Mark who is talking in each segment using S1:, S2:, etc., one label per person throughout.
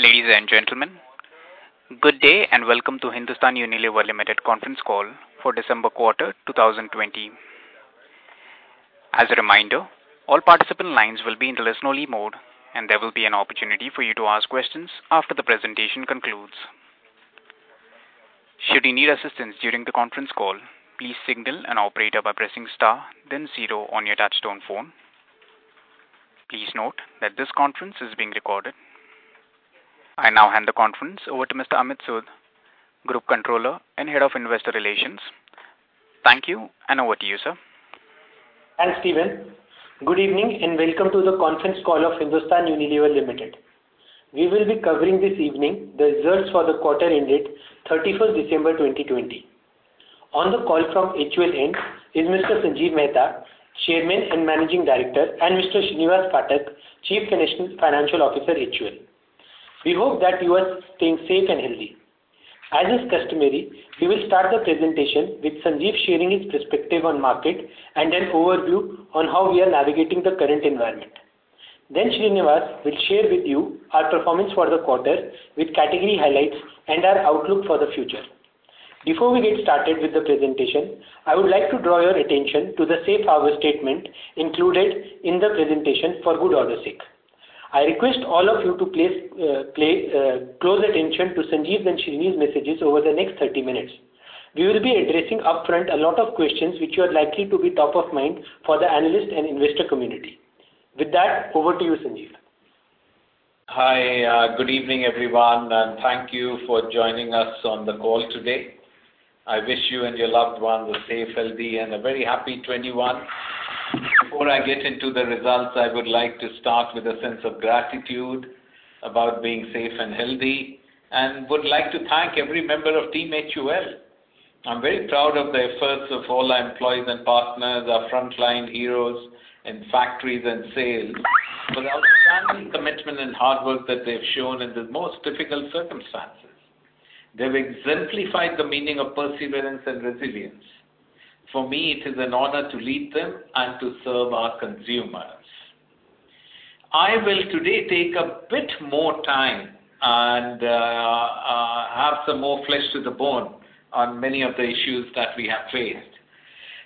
S1: Ladies and gentlemen, good day and welcome to Hindustan Unilever Limited conference call for December quarter 2020. As a reminder, all participant lines will be in listen-only mode, and there will be an opportunity for you to ask questions after the presentation concludes. Should you need assistance during the conference call, please signal an operator by pressing star, then zero on your touch-tone phone. Please note that this conference is being recorded. I now hand the conference over to Mr. Amit Sood, Group Controller and Head of Investor Relations. Thank you, and over to you, sir.
S2: Thanks, Stephen. Good evening and welcome to the conference call of Hindustan Unilever Limited. We will be covering this evening the results for the quarter ended 31st December 2020. On the call from HUL end is Mr. Sanjiv Mehta, Chairman and Managing Director, and Mr. Srinivas Phatak, Chief Financial Officer HUL. We hope that you are staying safe and healthy. As is customary, we will start the presentation with Sanjiv sharing his perspective on market and an overview on how we are navigating the current environment. Then Srinivas will share with you our performance for the quarter with category highlights and our outlook for the future. Before we get started with the presentation, I would like to draw your attention to the safe harbor statement included in the presentation for good order's sake. I request all of you to pay close attention to Sanjiv and Srini's messages over the next 30 minutes. We will be addressing upfront a lot of questions which are likely to be top of mind for the analyst and investor community. With that, over to you, Sanjiv.
S3: Hi, good evening everyone, and thank you for joining us on the call today. I wish you and your loved ones a safe, healthy, and a very happy 2021. Before I get into the results, I would like to start with a sense of gratitude about being safe and healthy, and would like to thank every member of Team HOL. I'm very proud of the efforts of all our employees and partners, our frontline heroes in factories and sales, for the outstanding commitment and hard work that they've shown in the most difficult circumstances. They've exemplified the meaning of perseverance and resilience. For me, it is an honor to lead them and to serve our consumers. I will today take a bit more time and have some more flesh to the bone on many of the issues that we have faced.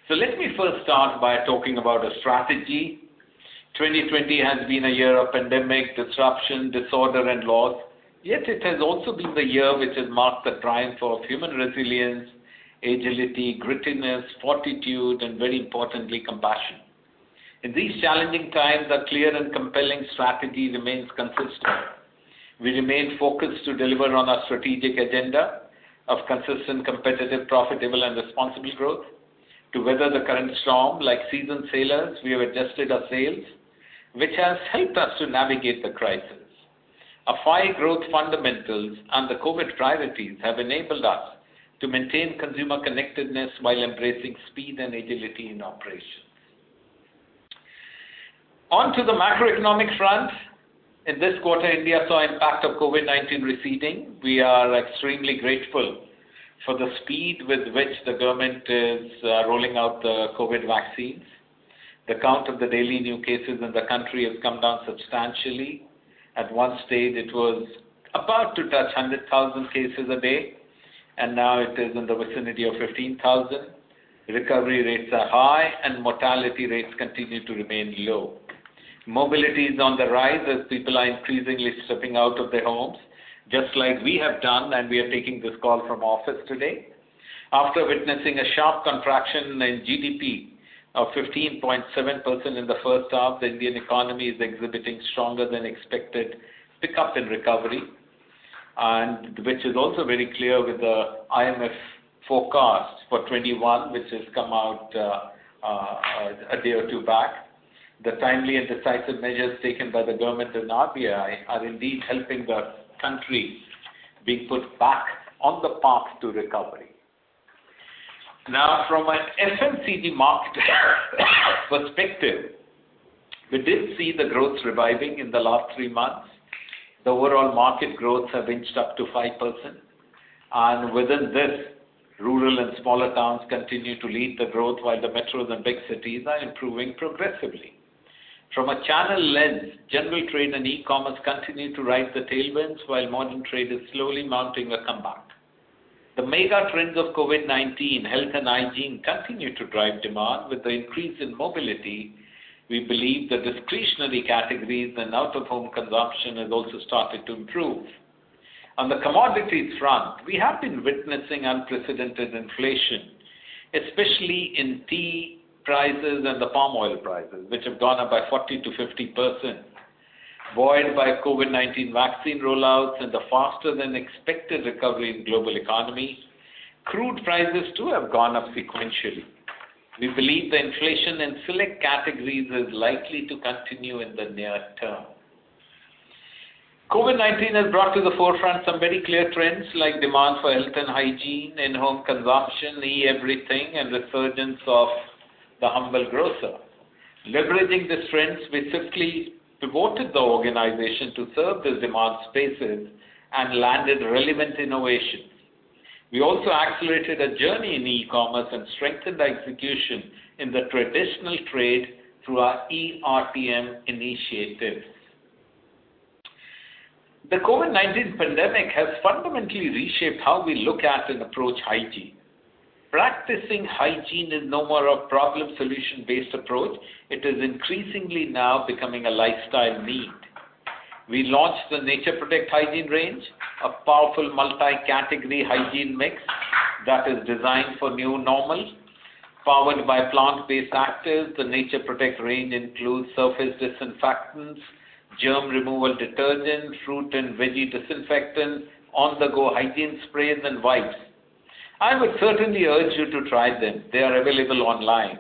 S3: So let me first start by talking about a strategy. 2020 has been a year of pandemic, disruption, disorder, and loss. Yet it has also been the year which has marked the triumph of human resilience, agility, grittiness, fortitude, and very importantly, compassion. In these challenging times, a clear and compelling strategy remains consistent. We remain focused to deliver on our strategic agenda of consistent, competitive, profitable, and responsible growth. To weather the current storm, like seasoned sailors, we have adjusted our sails, which has helped us to navigate the crisis. A fine growth fundamentals and the COVID priorities have enabled us to maintain consumer connectedness while embracing speed and agility in operations. Onto the macroeconomic front. In this quarter, India saw the impact of COVID-19 receding. We are extremely grateful for the speed with which the government is rolling out the COVID vaccines. The count of the daily new cases in the country has come down substantially. At one stage, it was about to touch 100,000 cases a day, and now it is in the vicinity of 15,000. Recovery rates are high, and mortality rates continue to remain low. Mobility is on the rise as people are increasingly stepping out of their homes, just like we have done, and we are taking this call from office today. After witnessing a sharp contraction in GDP of 15.7% in the first half, the Indian economy is exhibiting stronger-than-expected pickup in recovery, which is also very clear with the IMF forecast for 2021, which has come out a day or two back. The timely and decisive measures taken by the government and RBI are indeed helping the country be put back on the path to recovery. Now, from an FMCG market perspective, we did see the growth reviving in the last three months. The overall market growth has inched up to 5%. Within this, rural and smaller towns continue to lead the growth, while the metros and big cities are improving progressively. From a channel lens, general trade and e-commerce continue to ride the tailwinds, while modern trade is slowly mounting a comeback. The mega trends of COVID-19, health, and hygiene continue to drive demand. With the increase in mobility, we believe the discretionary categories and out-of-home consumption have also started to improve. On the commodities front, we have been witnessing unprecedented inflation, especially in tea prices and the palm oil prices, which have gone up by 40% to 50%, buoyed by COVID-19 vaccine rollouts and the faster-than-expected recovery in the global economy. Crude prices too have gone up sequentially. We believe the inflation in select categories is likely to continue in the near term. COVID-19 has brought to the forefront some very clear trends, like demand for health and hygiene, in-home consumption, e-everything, and the surge of the humble grocer. Leveraging these trends, we swiftly pivoted the organization to serve the demand spaces and landed relevant innovations. We also accelerated a journey in e-commerce and strengthened our execution in the traditional trade through our eRTM initiatives. The COVID-19 pandemic has fundamentally reshaped how we look at and approach hygiene. Practicing hygiene is no more a problem-solution-based approach. It is increasingly now becoming a lifestyle need. We launched the Nature Protect Hygiene range, a powerful multi-category hygiene mix that is designed for new normal. Powered by plant-based actives, the Nature Protect range includes surface disinfectants, germ-removal detergents, fruit and veggie disinfectants, on-the-go hygiene sprays, and wipes. I would certainly urge you to try them. They are available online.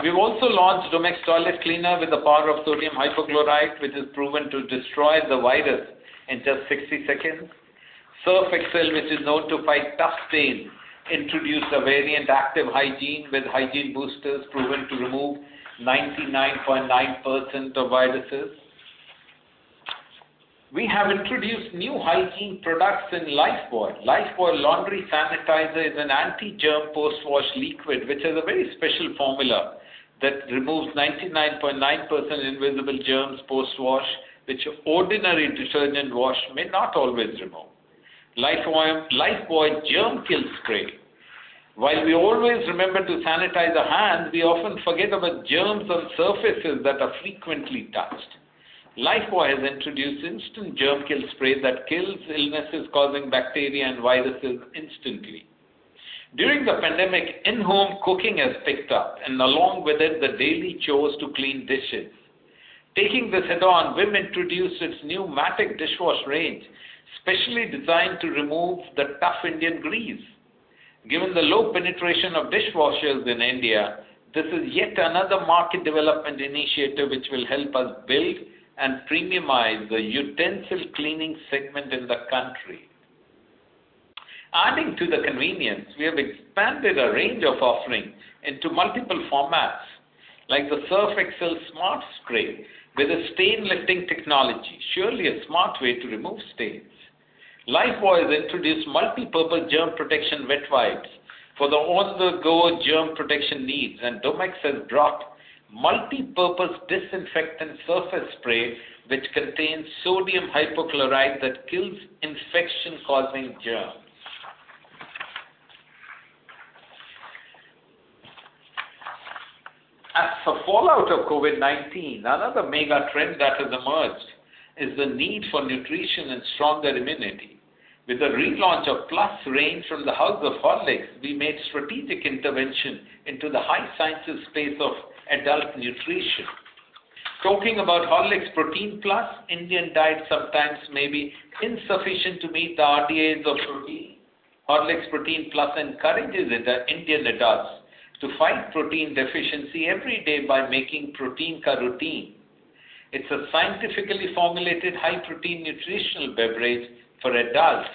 S3: We've also launched Domex Toilet Cleaner with a power of sodium hypochlorite, which is proven to destroy the virus in just 60 seconds. Surf Excel, which is known to fight tough stains, introduced a variant Active Hygiene with hygiene boosters proven to remove 99.9% of viruses. We have introduced new hygiene products in Lifebuoy. Lifebuoy laundry sanitizer is an anti-germ post-wash liquid, which has a very special formula that removes 99.9% invisible germs post-wash, which ordinary detergent wash may not always remove. Lifebuoy germ-kill spray. While we always remember to sanitize our hands, we often forget about germs on surfaces that are frequently touched. Lifebuoy has introduced instant germ-kill spray that kills illnesses causing bacteria and viruses instantly. During the pandemic, in-home cooking has picked up, and along with it, the daily chores to clean dishes. Taking this head-on, Vim introduced its new Matic dishwasher range, specially designed to remove the tough Indian grease. Given the low penetration of dishwashers in India, this is yet another market development initiative which will help us build and premiumize the utensil cleaning segment in the country. Adding to the convenience, we have expanded a range of offerings into multiple formats, like the Surf Excel Smart Spray with a stain-lifting technology, surely a smart way to remove stains. Lifebuoy has introduced multi-purpose germ protection wet wipes for the on-the-go germ protection needs, and Domex has brought multi-purpose disinfectant surface spray which contains sodium hypochlorite that kills infection-causing germs. As a fallout of COVID-19, another mega trend that has emerged is the need for nutrition and stronger immunity. With the relaunch of Plus range from the house of Horlicks, we made strategic intervention into the high sciences space of adult nutrition. Talking about Horlicks Protein Plus, Indian diets sometimes may be insufficient to meet the RDAs of protein. Horlicks Protein Plus encourages Indian adults to fight protein deficiency every day by making protein a routine. It's a scientifically formulated high-protein nutritional beverage for adults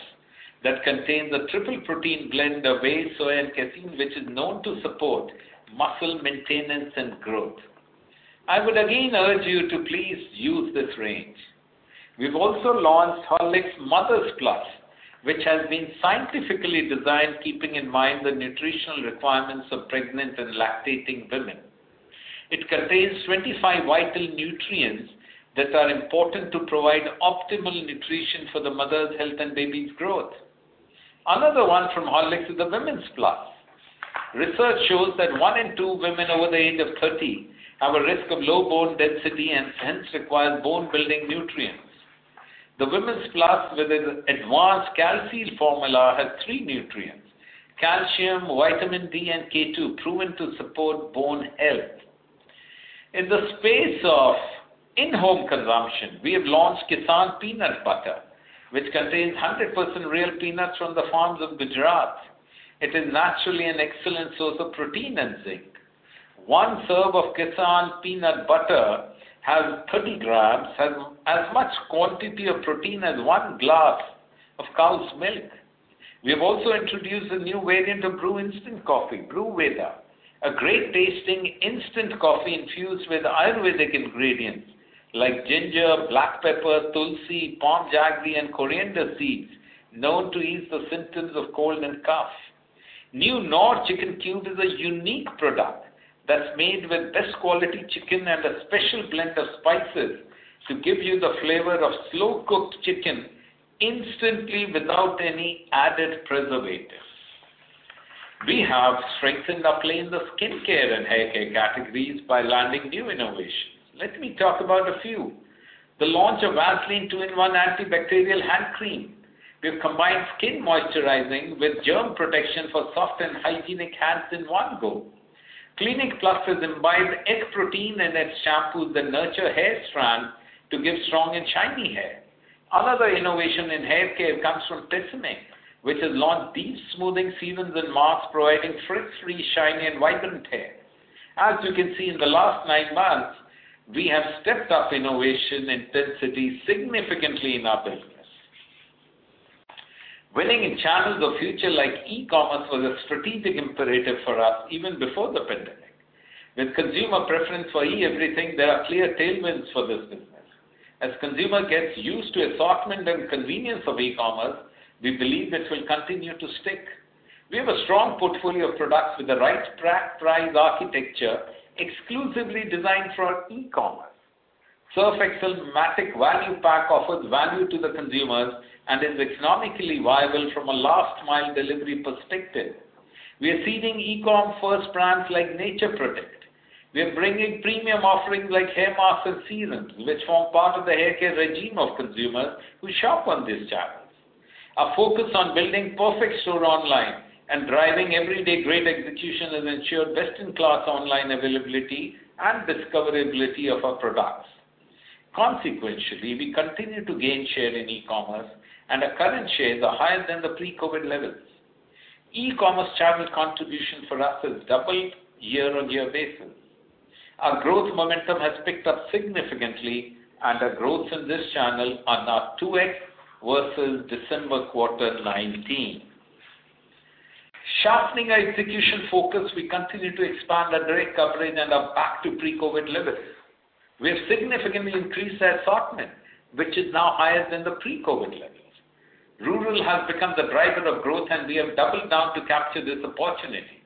S3: that contains a triple protein blend of whey, soy, and casein, which is known to support muscle maintenance and growth. I would again urge you to please use this range. We've also launched Horlicks Mother's Plus, which has been scientifically designed keeping in mind the nutritional requirements of pregnant and lactating women. It contains 25 vital nutrients that are important to provide optimal nutrition for the mother's health and baby's growth. Another one from Horlicks is the Women's Plus. Research shows that one in two women over the age of 30 have a risk of low bone density and hence require bone-building nutrients. The Women's Plus, with its advanced calcium formula, has three nutrients: calcium, vitamin D, and K2, proven to support bone health. In the space of in-home consumption, we have launched Kissan Peanut Butter, which contains 100% real peanuts from the farms of Gujarat. It is naturally an excellent source of protein and zinc. One serve of Kissan Peanut Butter has 30 grams, has as much quantity of protein as one glass of cow's milk. We have also introduced a new variant of Bru instant coffee, Bru Veda, a great-tasting instant coffee infused with Ayurvedic ingredients like ginger, black pepper, tulsi, palm jaggery, and coriander seeds, known to ease the symptoms of cold and cough. New Knorr Chicken Cube is a unique product that's made with best-quality chicken and a special blend of spices to give you the flavor of slow-cooked chicken instantly without any added preservatives. We have strengthened our play in the skincare and hair care categories by landing new innovations. Let me talk about a few. The launch of Vaseline 2-in-1 Antibacterial Hand Cream. We've combined skin moisturizing with germ protection for soft and hygienic hands in one go. Clinic Plus has imbibed egg protein in its shampoos and nurture hair strands to give strong and shiny hair. Another innovation in hair care comes from TRESemmé, which has launched deep smoothing serums and masks, providing frizz-free, shiny, and vibrant hair. As you can see, in the last nine months, we have stepped up innovation intensity significantly in our business. Winning in channels of future like e-commerce was a strategic imperative for us even before the pandemic. With consumer preference for e-everything, there are clear tailwinds for this business. As consumers get used to assortment and convenience of e-commerce, we believe this will continue to stick. We have a strong portfolio of products with the right price architecture exclusively designed for e-commerce. Surf Excel Matic Value Pack offers value to the consumers and is economically viable from a last-mile delivery perspective. We are seeding e-com first brands like Nature Protect. We are bringing premium offerings like hair masks and serums, which form part of the hair care regime of consumers who shop on these channels. Our focus on building perfect store online and driving everyday great execution has ensured best-in-class online availability and discoverability of our products. Consequently, we continue to gain share in e-commerce, and our current shares are higher than the pre-COVID levels. E-commerce channel contribution for us has doubled year-on-year basis. Our growth momentum has picked up significantly, and our growth in this channel are now 2x versus December quarter 2019. Sharpening our execution focus, we continue to expand our direct coverage and are back to pre-COVID levels. We have significantly increased our assortment, which is now higher than the pre-COVID levels. Rural has become the driver of growth, and we have doubled down to capture this opportunity.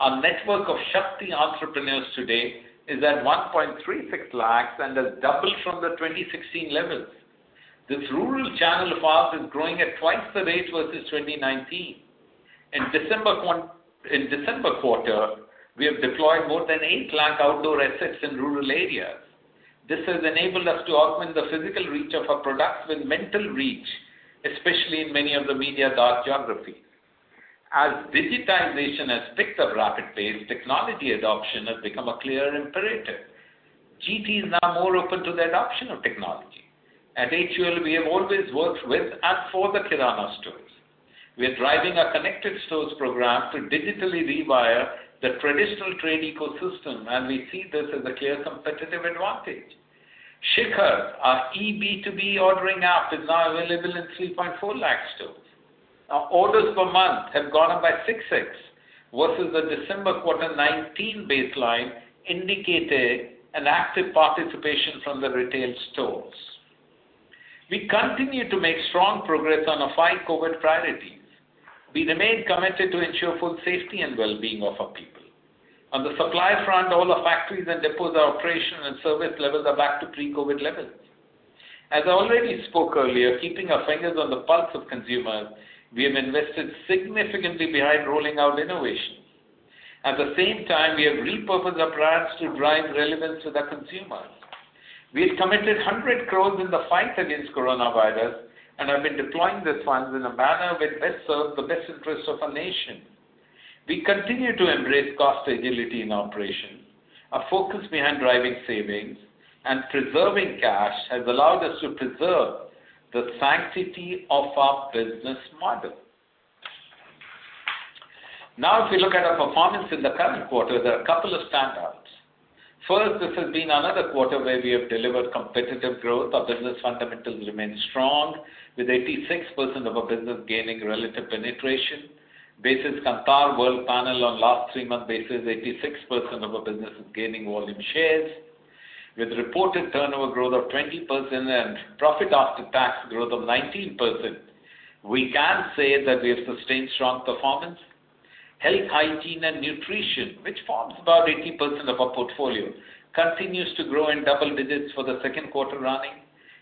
S3: Our network of Shakti entrepreneurs today is at 1.36 lakhs and has doubled from the 2016 levels. This rural channel of ours is growing at twice the rate versus 2019. In December quarter, we have deployed more than 8 lakh outdoor assets in rural areas. This has enabled us to augment the physical reach of our products with mental reach, especially in many of the media dark geographies. As digitization has picked up rapid pace, technology adoption has become a clear imperative. GT is now more open to the adoption of technology. At HUL, we have always worked with and for the Kirana stores. We are driving our Connected Stores program to digitally rewire the traditional trade ecosystem, and we see this as a clear competitive advantage. Shikhar, our eB2B ordering app, is now available in 3.4 lakh stores. Our orders per month have gone up by 6x versus the December quarter 2019 baseline, indicating an active participation from the retail stores. We continue to make strong progress on our fight COVID priorities. We remain committed to ensure full safety and well-being of our people. On the supply front, all our factories and depots are operational, and service levels are back to pre-COVID levels. As I already spoke earlier, keeping our fingers on the pulse of consumers, we have invested significantly behind rolling out innovation. At the same time, we have repurposed our brands to drive relevance with our consumers. We have committed 100 crores in the fight against coronavirus and have been deploying these funds in a manner which best serves the best interests of our nation. We continue to embrace cost agility in operations. Our focus behind driving savings and preserving cash has allowed us to preserve the sanctity of our business model. Now, if we look at our performance in the current quarter, there are a couple of standouts. First, this has been another quarter where we have delivered competitive growth. Our business fundamentals remain strong, with 86% of our business gaining relative penetration. Basis Kantar Worldpanel on last three-month basis, 86% of our business is gaining volume shares. With reported turnover growth of 20% and profit after tax growth of 19%, we can say that we have sustained strong performance. Health, hygiene, and nutrition, which forms about 80% of our portfolio, continues to grow in double digits for the second quarter running.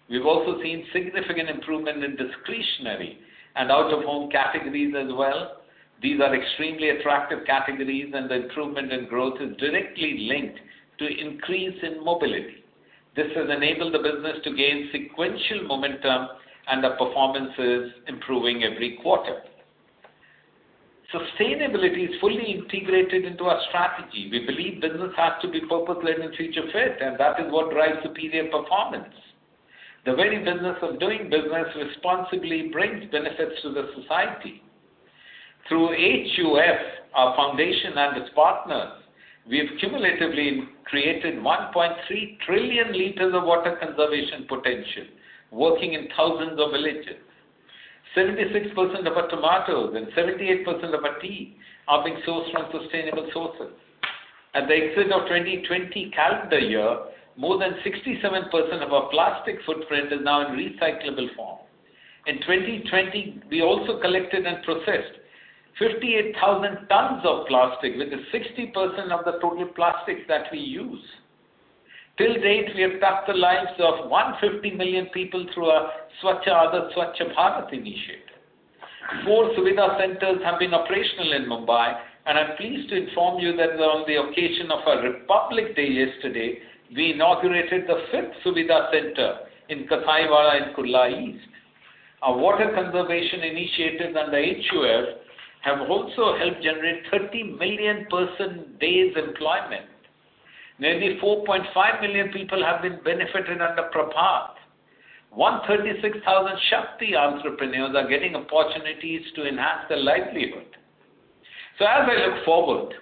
S3: We've also seen significant improvement in discretionary and out-of-home categories as well. These are extremely attractive categories, and the improvement in growth is directly linked to increase in mobility. This has enabled the business to gain sequential momentum, and our performance is improving every quarter. Sustainability is fully integrated into our strategy. We believe business has to be purpose-led and future-fit, and that is what drives superior performance. The very business of doing business responsibly brings benefits to society. Through HUF, our foundation and its partners, we have cumulatively created 1.3 trillion liters of water conservation potential, working in thousands of villages. 76% of our tomatoes and 78% of our tea are being sourced from sustainable sources. At the exit of 2020 calendar year, more than 67% of our plastic footprint is now in recyclable form. In 2020, we also collected and processed 58,000 tons of plastic, which is 60% of the total plastics that we use. Till date, we have touched the lives of 150 million people through our Swachh Aadat Swachh Bharat initiative. Four Suvidha centers have been operational in Mumbai, and I'm pleased to inform you that on the occasion of our Republic Day yesterday, we inaugurated the fifth Suvidha center in Kasaiwala in Kurla East. Our water conservation initiatives under HUF have also helped generate 30 million person-days employment. Nearly 4.5 million people have been benefiting under Prabhat. 136,000 Shakti entrepreneurs are getting opportunities to enhance their livelihood. As I look forward,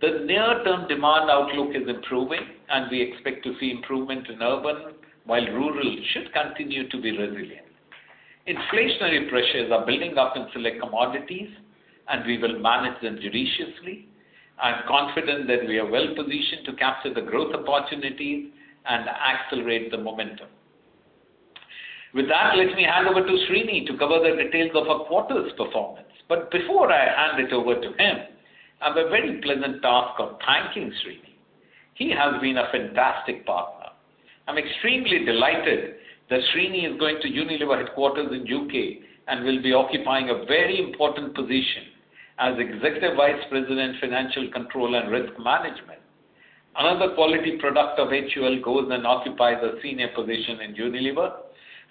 S3: the near-term demand outlook is improving, and we expect to see improvement in urban, while rural should continue to be resilient. Inflationary pressures are building up in select commodities, and we will manage them judiciously. I'm confident that we are well-positioned to capture the growth opportunities and accelerate the momentum. With that, let me hand over to Srini to cover the details of our quarter's performance. Before I hand it over to him, I have a very pleasant task of thanking Srini. He has been a fantastic partner. I'm extremely delighted that Srini is going to Unilever headquarters in the UK and will be occupying a very important position as Executive Vice President, Financial Control, and Risk Management. Another quality product of HUL goes and occupies a senior position in Unilever.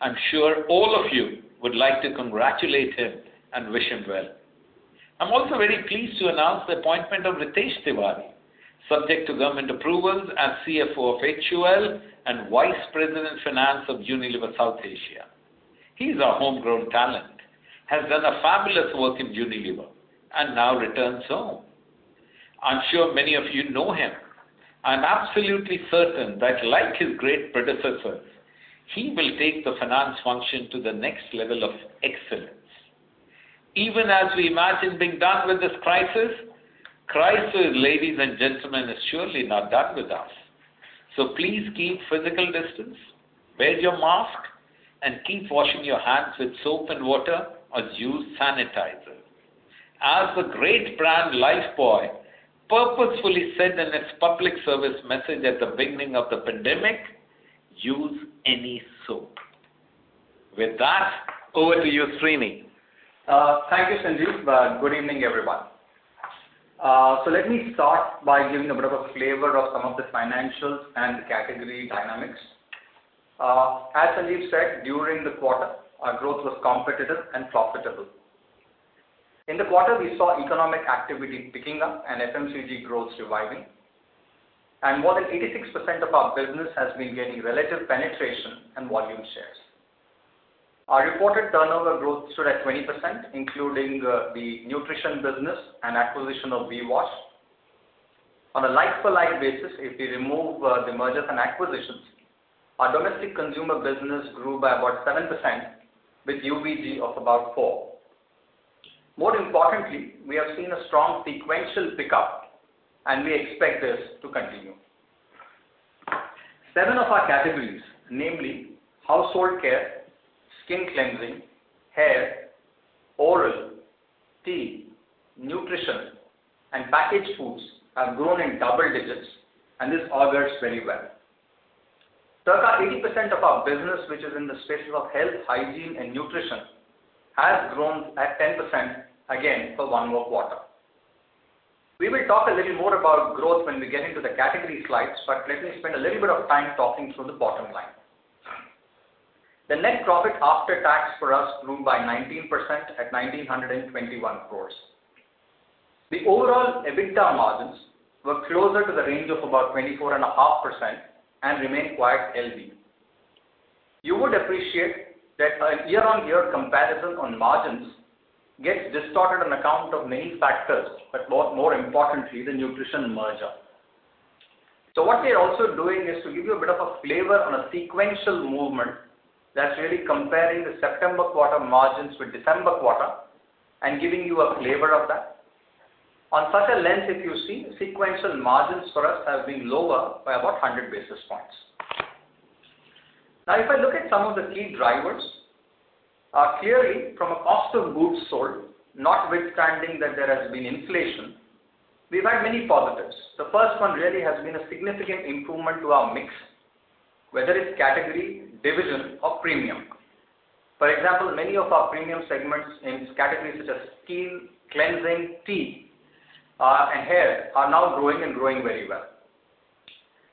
S3: I'm sure all of you would like to congratulate him and wish him well. I'm also very pleased to announce the appointment of Ritesh Tiwari, subject to government approvals as CFO of HUL and Vice President, Finance of Unilever South Asia. He's our homegrown talent, has done a fabulous work in Unilever, and now returns home. I'm sure many of you know him. I'm absolutely certain that, like his great predecessors, he will take the finance function to the next level of excellence. Even as we imagine being done with this crisis, crisis, ladies and gentlemen, is surely not done with us. So please keep physical distance, wear your mask, and keep washing your hands with soap and water or use sanitizer. As the great brand Lifebuoy purposefully said in its public service message at the beginning of the pandemic, use any soap. With that, over to you, Srini.
S4: Thank you, Sanjiv, and good evening, everyone. So let me start by giving a bit of a flavor of some of the financials and the category dynamics. As Sanjiv said, during the quarter, our growth was competitive and profitable. In the quarter, we saw economic activity picking up and FMCG growth surviving. And more than 86% of our business has been getting relative penetration and volume shares. Our reported turnover growth stood at 20%, including the nutrition business and acquisition of B Wash. On a like-for-like basis, if we remove the mergers and acquisitions, our domestic consumer business grew by about 7% with UVG of about 4%. More importantly, we have seen a strong sequential pickup, and we expect this to continue. Seven of our categories, namely household care, skin cleansing, hair, oral, tea, nutrition, and packaged foods have grown in double digits, and this augurs very well. Circa 80% of our business, which is in the spaces of health, hygiene, and nutrition, has grown at 10% again for one more quarter. We will talk a little more about growth when we get into the category slides, but let me spend a little bit of time talking through the bottom line. The net profit after tax for us grew by 19% at 1,921 crores. The overall EBITDA margins were closer to the range of about 24.5% and remain quite healthy. You would appreciate that a year-on-year comparison on margins gets distorted on account of many factors, but more importantly, the nutrition merger. So what we are also doing is to give you a bit of a flavor on a sequential movement that's really comparing the September quarter margins with December quarter and giving you a flavor of that. On such a lens, if you see, sequential margins for us have been lower by about 100 basis points. Now, if I look at some of the key drivers, clearly, from a cost of goods sold, notwithstanding that there has been inflation, we've had many positives. The first one really has been a significant improvement to our mix, whether it's category, division, or premium. For example, many of our premium segments in categories such as soaps, cleansing, tea, and hair are now growing and growing very well.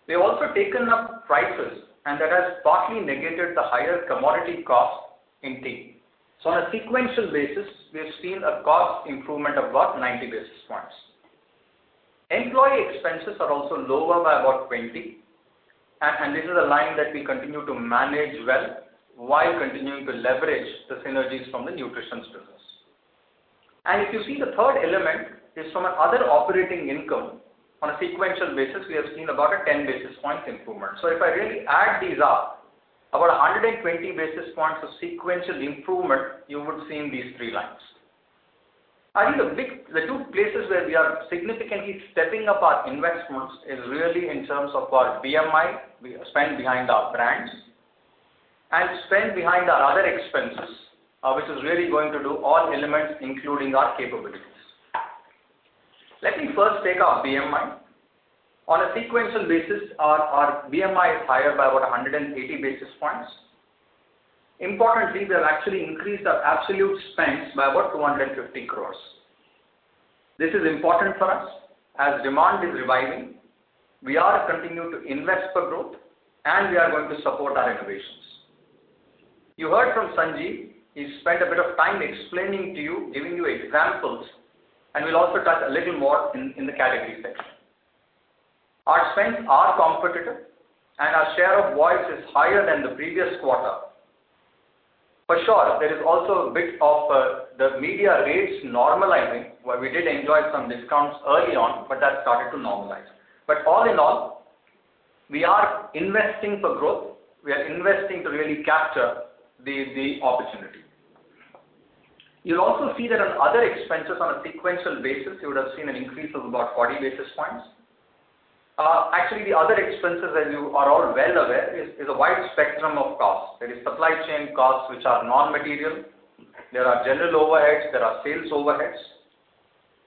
S4: We have also taken up prices, and that has partly negated the higher commodity cost in tea. So on a sequential basis, we have seen a cost improvement of about 90 basis points. Employee expenses are also lower by about 20, and this is a line that we continue to manage well while continuing to leverage the synergies from the nutrition business. And if you see, the third element is from another operating income. On a sequential basis, we have seen about a 10 basis points improvement. So if I really add these up, about 120 basis points of sequential improvement you would see in these three lines. I think the two places where we are significantly stepping up our investments is really in terms of our BMI, spend behind our brands, and spend behind our other expenses, which is really going to do all elements, including our capabilities. Let me first take our BMI. On a sequential basis, our BMI is higher by about 180 basis points. Importantly, we have actually increased our absolute spend by about 250 crores. This is important for us as demand is reviving. We are continuing to invest for growth, and we are going to support our innovations. You heard from Sanjiv. He spent a bit of time explaining to you, giving you examples, and we'll also touch a little more in the category section. Our spend are competitive, and our share of voice is higher than the previous quarter. For sure, there is also a bit of the media rates normalizing, where we did enjoy some discounts early on, but that started to normalize. But all in all, we are investing for growth. We are investing to really capture the opportunity. You'll also see that on other expenses, on a sequential basis, you would have seen an increase of about 40 basis points. Actually, the other expenses, as you are all well aware, is a wide spectrum of costs. There is supply chain costs, which are non-material. There are general overheads. There are sales overheads.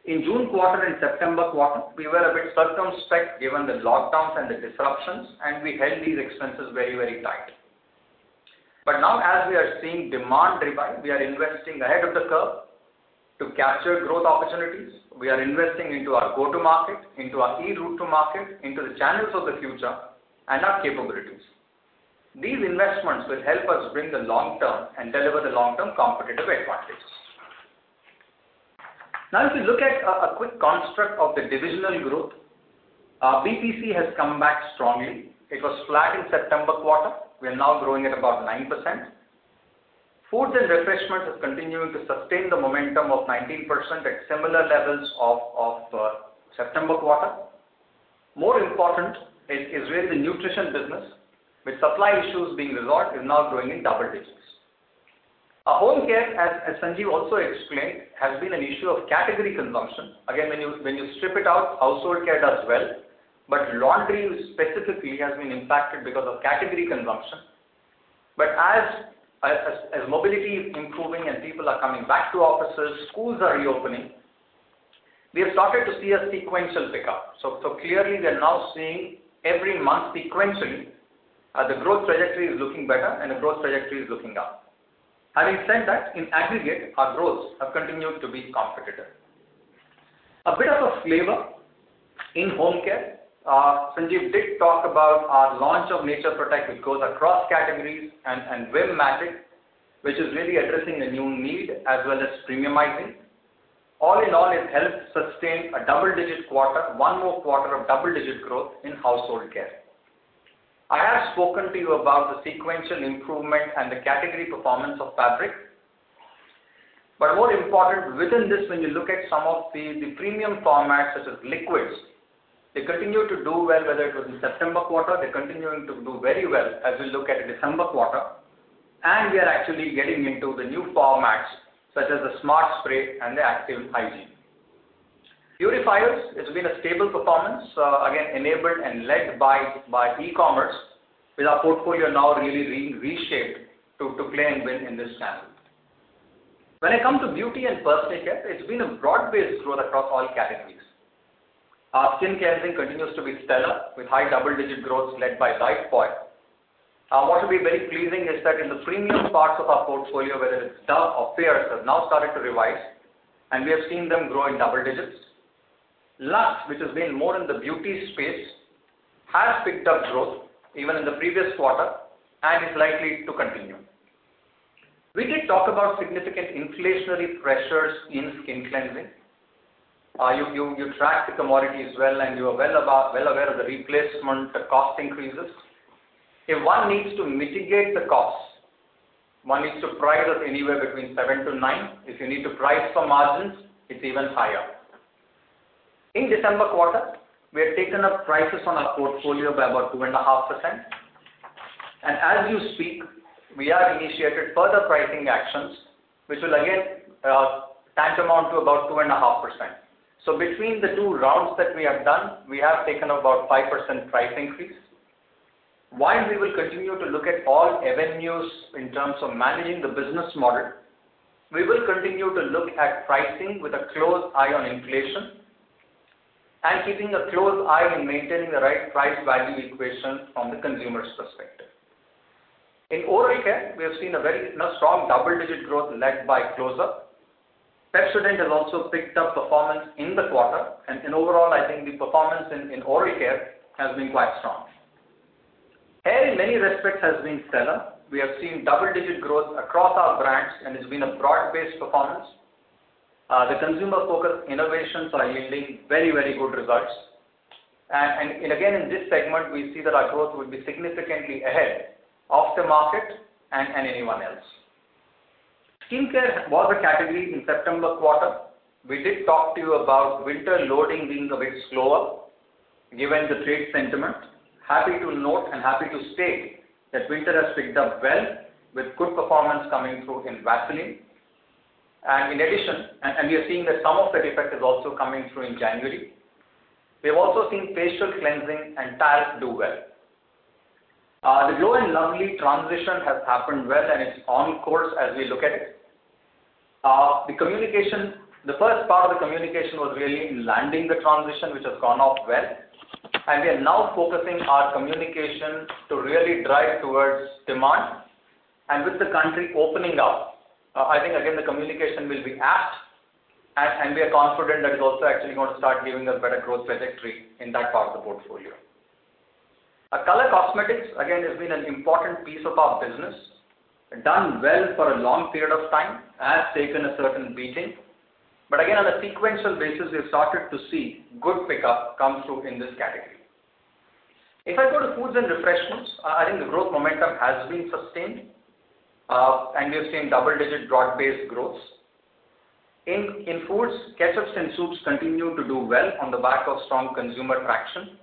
S4: In June quarter and September quarter, we were a bit circumspect given the lockdowns and the disruptions, and we held these expenses very, very tight. But now, as we are seeing demand revive, we are investing ahead of the curve to capture growth opportunities. We are investing into our go-to-market, into our e-route-to-market, into the channels of the future, and our capabilities. These investments will help us bring the long-term and deliver the long-term competitive advantages. Now, if we look at a quick construct of the divisional growth, BPC has come back strongly. It was flat in September quarter. We are now growing at about 9%. Foods and refreshments are continuing to sustain the momentum of 19% at similar levels of September quarter. More important is really the nutrition business, with supply issues being resolved, is now growing in double digits. Our home care, as Sanjiv also explained, has been an issue of category consumption. Again, when you strip it out, household care does well, but laundry specifically has been impacted because of category consumption. But as mobility is improving and people are coming back to offices, schools are reopening, we have started to see a sequential pickup, so clearly, we are now seeing every month, sequentially, the growth trajectory is looking better, and the growth trajectory is looking up. Having said that, in aggregate, our growths have continued to be competitive. A bit of a flavor in home care, Sanjiv did talk about our launch of Nature Protect, which goes across categories and Wheel Magic, which is really addressing the new need as well as premiumizing. All in all, it helped sustain a double-digit quarter, one more quarter of double-digit growth in household care. I have spoken to you about the sequential improvement and the category performance of fabric, but more important within this, when you look at some of the premium formats such as liquids, they continue to do well, whether it was in September quarter. They're continuing to do very well as we look at December quarter, and we are actually getting into the new formats such as the Smart Spray and the Active Hygiene. Purifiers, it's been a stable performance, again, enabled and led by e-commerce, with our portfolio now really being reshaped to play and win in this channel. When it comes to beauty and personal care, it's been a broad-based growth across all categories. Our skin cleansing continues to be stellar with high double-digit growth led by Lifebuoy. What will be very pleasing is that in the premium parts of our portfolio, whether it's Dove or Pears, have now started to revive, and we have seen them grow in double digits. Lux, which has been more in the beauty space, has picked up growth even in the previous quarter and is likely to continue. We did talk about significant inflationary pressures in skin cleansing. You track the commodities well, and you are well aware of the replacement, the cost increases. If one needs to mitigate the cost, one needs to price it anywhere between 7% to 9%. If you need to price for margins, it's even higher. In December quarter, we have taken up prices on our portfolio by about 2.5%. And as you speak, we have initiated further pricing actions, which will again amount to about 2.5%. Between the two rounds that we have done, we have taken about 5% price increase. While we will continue to look at all avenues in terms of managing the business model, we will continue to look at pricing with a close eye on inflation and keeping a close eye on maintaining the right price-value equation from the consumer's perspective. In oral care, we have seen a very strong double-digit growth led by Close Up. Pepsodent has also picked up performance in the quarter. Overall, I think the performance in oral care has been quite strong. Hair, in many respects, has been stellar. We have seen double-digit growth across our brands, and it's been a broad-based performance. The consumer-focused innovations are yielding very, very good results. Again, in this segment, we see that our growth would be significantly ahead of the market and anyone else. Skincare was a category in September quarter. We did talk to you about winter loading being a bit slower given the trade sentiment. Happy to note and happy to state that winter has picked up well with good performance coming through in Vaseline. And in addition, and we are seeing that some of that effect is also coming through in January. We have also seen facial cleansing and towels do well. The Glow & Lovely transition has happened well, and it's on course as we look at it. The communication, the first part of the communication was really in landing the transition, which has gone off well. And we are now focusing our communication to really drive towards demand. And with the country opening up, I think, again, the communication will be apt. We are confident that it's also actually going to start giving a better growth trajectory in that part of the portfolio. Color cosmetics, again, has been an important piece of our business, done well for a long period of time, has taken a certain beating, but again, on a sequential basis, we have started to see good pickup come through in this category. If I go to foods and refreshments, I think the growth momentum has been sustained, and we have seen double-digit broad-based growths. In foods, ketchups and soups continue to do well on the back of strong consumer traction.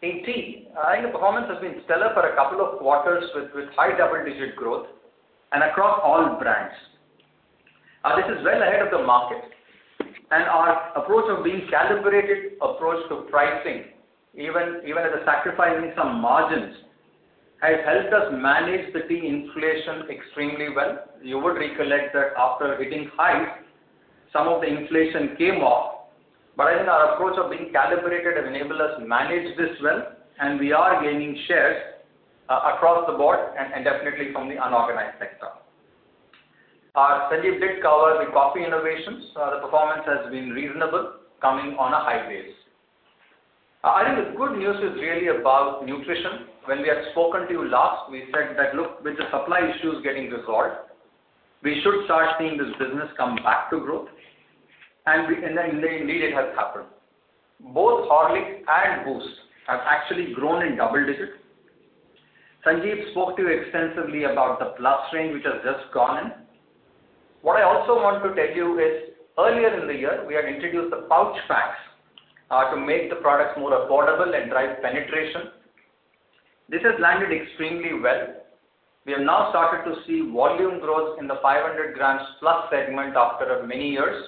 S4: In tea, I think the performance has been stellar for a couple of quarters with high double-digit growth and across all brands. This is well ahead of the market. Our approach of being calibrated approach to pricing, even at the sacrificing some margins, has helped us manage the tea inflation extremely well. You would recollect that after hitting highs, some of the inflation came off. But I think our approach of being calibrated has enabled us to manage this well, and we are gaining shares across the board and definitely from the unorganized sector. Sanjiv did cover the coffee innovations. The performance has been reasonable, coming on a high base. I think the good news is really about nutrition. When we have spoken to you last, we said that, "Look, with the supply issues getting resolved, we should start seeing this business come back to growth." And indeed, it has happened. Both Horlicks and Boost have actually grown in double digits. Sanjiv spoke to you extensively about the plus range, which has just gone in. What I also want to tell you is, earlier in the year, we had introduced the pouch packs to make the products more affordable and drive penetration. This has landed extremely well. We have now started to see volume growth in the 500 grams plus segment after many years,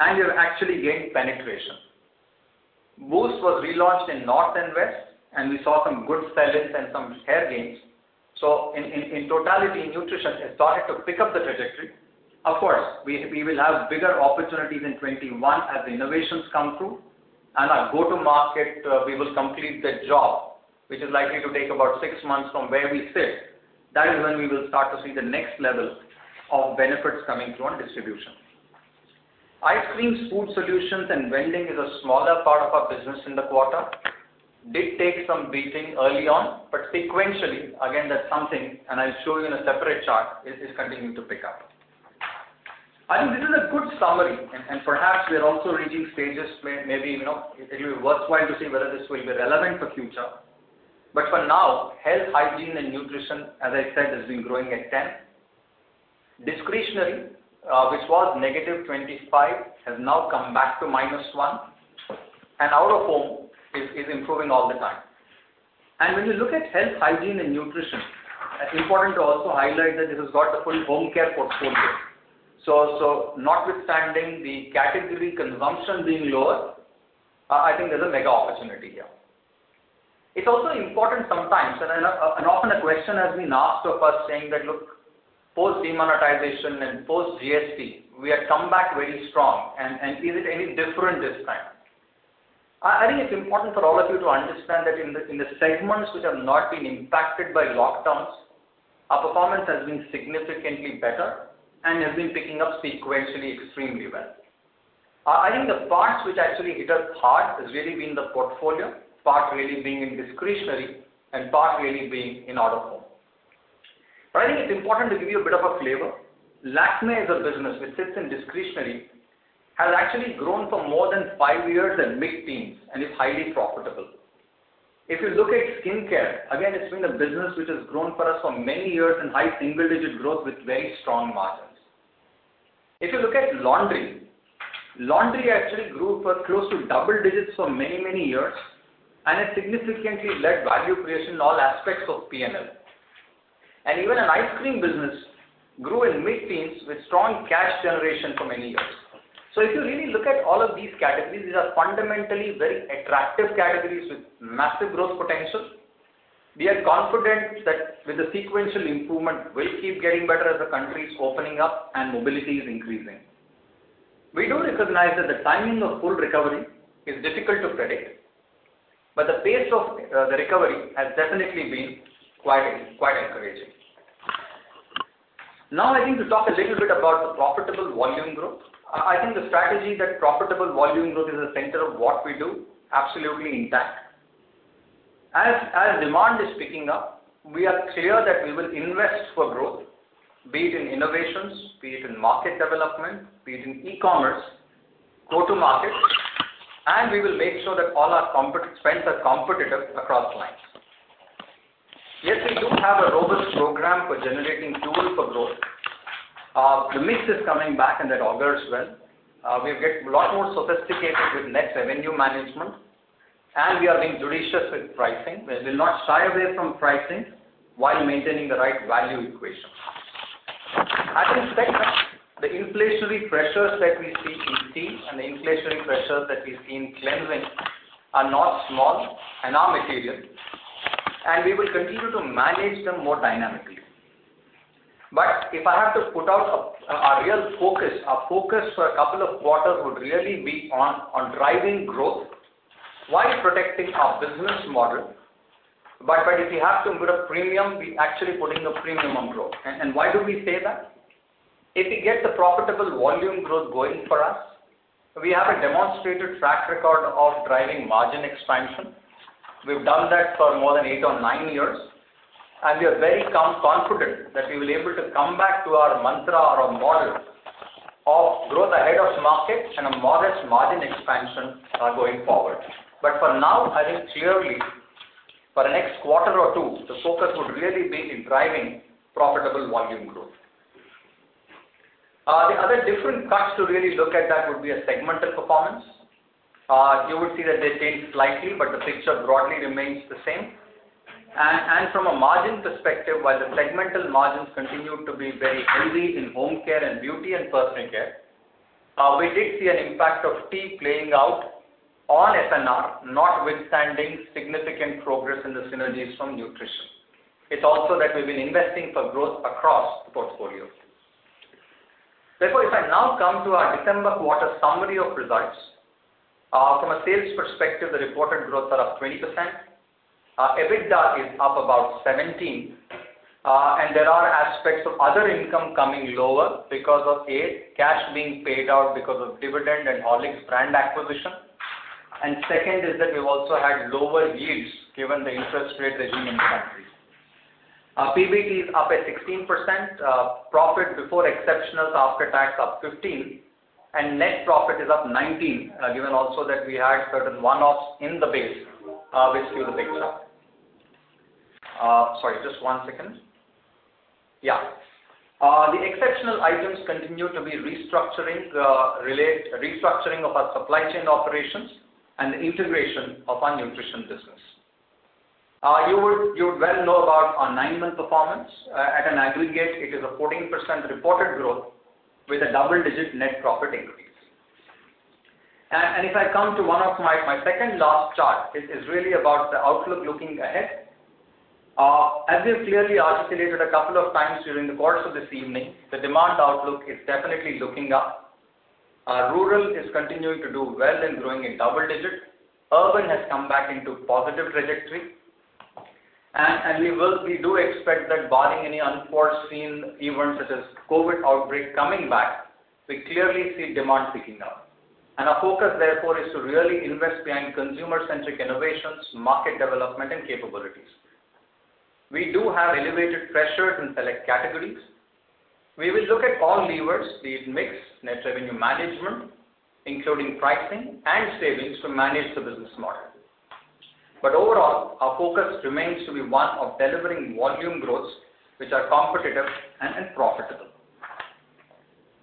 S4: and we have actually gained penetration. Boost was relaunched in North and West, and we saw some good selling and some share gains. So in totality, nutrition has started to pick up the trajectory. Of course, we will have bigger opportunities in 2021 as the innovations come through. And our go-to-market, we will complete the job, which is likely to take about six months from where we sit. That is when we will start to see the next level of benefits coming through on distribution. Ice cream, food solutions, and vending is a smaller part of our business in the quarter. did take some beating early on, but sequentially, again, that's something, and I'll show you in a separate chart, is continuing to pick up. I think this is a good summary, and perhaps we are also reaching stages where maybe it will be worthwhile to see whether this will be relevant for future. But for now, health, hygiene, and nutrition, as I said, has been growing at 10%. Discretionary, which was negative 25%, has now come back to minus 1%. And out of home is improving all the time. And when you look at health, hygiene, and nutrition, it's important to also highlight that this has got the full home care portfolio. So notwithstanding the category consumption being lower, I think there's a mega opportunity here. It's also important sometimes, and often a question has been asked of us saying that, "Look, post-demonetization and post-GST, we have come back very strong. And is it any different this time?" I think it's important for all of you to understand that in the segments which have not been impacted by lockdowns, our performance has been significantly better and has been picking up sequentially extremely well. I think the parts which actually hit us hard have really been the portfolio, part really being in discretionary and part really being in out of home. But I think it's important to give you a bit of a flavor. Lakmé is a business which sits in discretionary, has actually grown for more than five years and mid-teens, and is highly profitable. If you look at skincare, again, it's been a business which has grown for us for many years and high single-digit growth with very strong margins. If you look at laundry, laundry actually grew for close to double digits for many, many years, and it significantly led value creation in all aspects of P&L, and even an ice cream business grew in mid-teens with strong cash generation for many years. So if you really look at all of these categories, these are fundamentally very attractive categories with massive growth potential. We are confident that with the sequential improvement, we'll keep getting better as the country is opening up and mobility is increasing. We do recognize that the timing of full recovery is difficult to predict, but the pace of the recovery has definitely been quite encouraging. Now, I think to talk a little bit about the profitable volume growth. I think the strategy that profitable volume growth is the center of what we do, absolutely intact. As demand is picking up, we are clear that we will invest for growth, be it in innovations, be it in market development, be it in e-commerce, go-to-market, and we will make sure that all our spends are competitive across lines. Yes, we do have a robust program for generating fuel for growth. The mix is coming back, and that augurs well. We've got a lot more sophisticated with net revenue management, and we are being judicious with pricing. We will not shy away from pricing while maintaining the right value equation. As we said, the inflationary pressures that we see in tea and the inflationary pressures that we see in cleansing are not small and are material, and we will continue to manage them more dynamically. But if I have to put out a real focus, our focus for a couple of quarters would really be on driving growth while protecting our business model. But if we have to put a premium, we're actually putting a premium on growth. And why do we say that? If we get the profitable volume growth going for us, we have a demonstrated track record of driving margin expansion. We've done that for more than eight or nine years, and we are very confident that we will be able to come back to our mantra or our model of growth ahead of market and a modest margin expansion going forward. But for now, I think clearly, for the next quarter or two, the focus would really be in driving profitable volume growth. The other different cuts to really look at that would be a segmental performance. You would see that they changed slightly, but the picture broadly remains the same. And from a margin perspective, while the segmental margins continue to be very heavy in home care and beauty and personal care, we did see an impact of tea playing out on F&R, notwithstanding significant progress in the synergies from nutrition. It's also that we've been investing for growth across the portfolio. Therefore, if I now come to our December quarter summary of results, from a sales perspective, the reported growth is around 20%. EBITDA is up about 17, and there are aspects of other income coming lower because of cash being paid out because of dividend and Horlicks brand acquisition. And second is that we've also had lower yields given the interest rate regime in the country. PBT is up at 16%, profit before exceptionals after tax up 15%, and net profit is up 19%, given also that we had certain one-offs in the base which give the picture. Sorry, just one second. Yeah. The exceptional items continue to be restructuring of our supply chain operations and the integration of our nutrition business. You would well know about our nine-month performance. At an aggregate, it is a 14% reported growth with a double-digit net profit increase. And if I come to one of my second-to-last chart, it is really about the outlook looking ahead. As we have clearly articulated a couple of times during the course of this evening, the demand outlook is definitely looking up. Rural is continuing to do well and growing in double-digit. Urban has come back into positive trajectory. We do expect that barring any unforeseen events such as COVID outbreak coming back. We clearly see demand picking up. Our focus, therefore, is to really invest behind consumer-centric innovations, market development, and capabilities. We do have elevated pressures in select categories. We will look at all levers, the mix, net revenue management, including pricing and savings to manage the business model. Overall, our focus remains to be one of delivering volume growths which are competitive and profitable.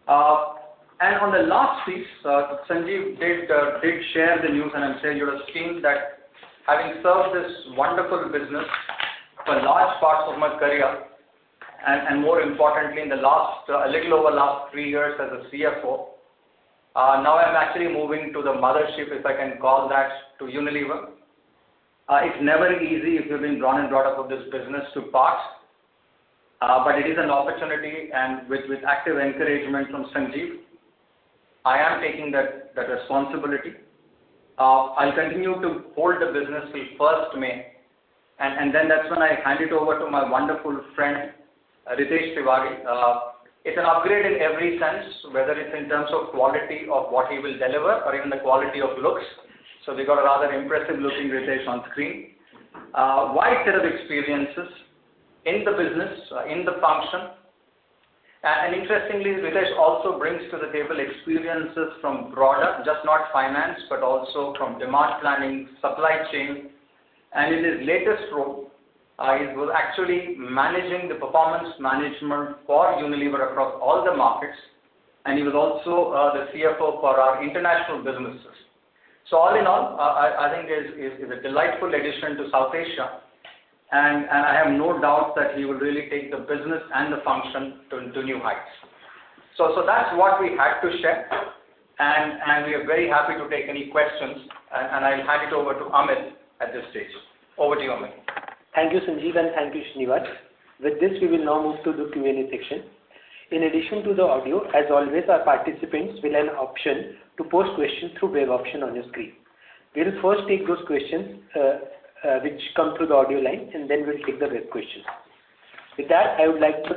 S4: On the last piece, Sanjiv did share the news, and I'm sure you have seen that having served this wonderful business for large parts of my career and, more importantly, in the last a little over three years as a CFO, now I'm actually moving to the mothership, if I can call that, to Unilever. It's never easy if you've been brought in, brought up with this business to parts. But it is an opportunity, and with active encouragement from Sanjiv, I am taking that responsibility. I'll continue to hold the business till 1st May, and then that's when I hand it over to my wonderful friend, Ritesh Tiwari. It's an upgrade in every sense, whether it's in terms of quality of what he will deliver or even the quality of looks. So we got a rather impressive-looking Ritesh on screen, wide set of experiences in the business, in the function. And interestingly, Ritesh also brings to the table experiences from broader, just not finance, but also from demand planning, supply chain. And in his latest role, he was actually managing the performance management for Unilever across all the markets, and he was also the CFO for our international businesses. So all in all, I think he is a delightful addition to South Asia, and I have no doubt that he will really take the business and the function to new heights. So that's what we had to share, and we are very happy to take any questions, and I'll hand it over to Amit at this stage. Over to you, Amit.
S2: Thank you, Sanjiv, and thank you, Srinivas. With this, we will now move to the Q&A section. In addition to the audio, as always, our participants will have an option to post questions through web option on your screen. We'll first take those questions which come through the audio line, and then we'll take the web questions. With that, I would like to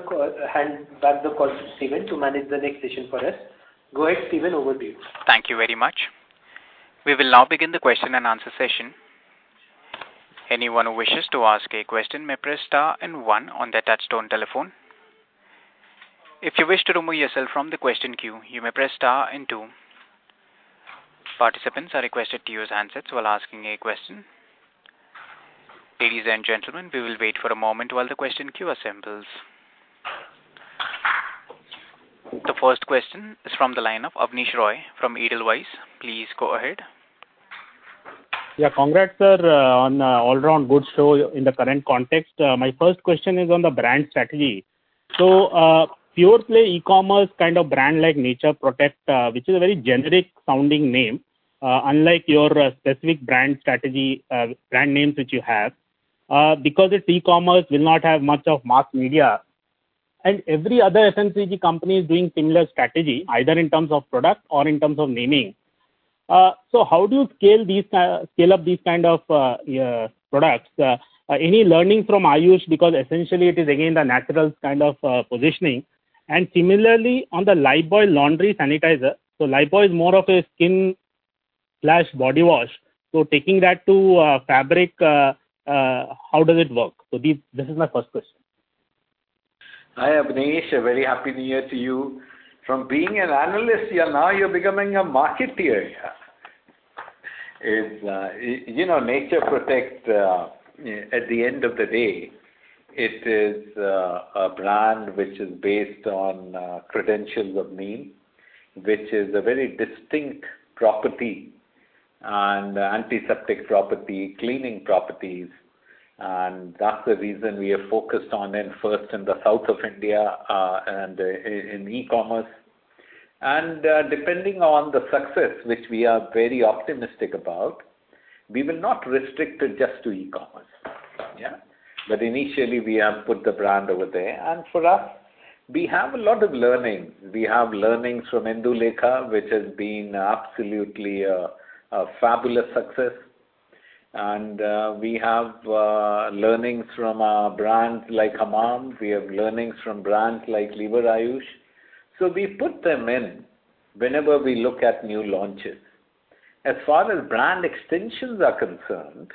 S2: hand back the call to Stephen to manage the next session for us. Go ahead, Stephen, over to you.
S1: Thank you very much. We will now begin the question and answer session. Anyone who wishes to ask a question may press star and one on their touch-tone telephone. If you wish to remove yourself from the question queue, you may press star and two. Participants are requested to use handsets while asking a question. Ladies and gentlemen, we will wait for a moment while the question queue assembles. The first question is from the line of Abneesh Roy from Edelweiss. Please go ahead.
S5: Yeah, congrats, sir, on the all-round good show in the current context. My first question is on the brand strategy. So pure-play e-commerce kind of brand like Nature Protect, which is a very generic-sounding name, unlike your specific brand strategy, brand names which you have, because it's e-commerce, will not have much of mass media. And every other FMCG company is doing similar strategy, either in terms of product or in terms of naming. So how do you scale up these kind of products? Any learnings from Ayush? Because essentially, it is again the natural kind of positioning. And similarly, on the Lifebuoy laundry sanitizer, so Lifebuoy is more of a skin/body wash. So taking that to fabric, how does it work? So this is my first question.
S4: Hi, Abneesh. A very happy New Year to you. From being an analyst, now you're becoming a marketer. Nature Protect, at the end of the day, it is a brand which is based on credentials of neem, which is a very distinct property and antiseptic property, cleaning properties. And that's the reason we are focused on it first in the south of India and in e-commerce. And depending on the success, which we are very optimistic about, we will not restrict it just to e-commerce. Yeah? But initially, we have put the brand over there. And for us, we have a lot of learning. We have learnings from Indulekha, which has been absolutely a fabulous success. And we have learnings from brands like Hamam. We have learnings from brands like Lever Ayush. So we put them in whenever we look at new launches. As far as brand extensions are concerned,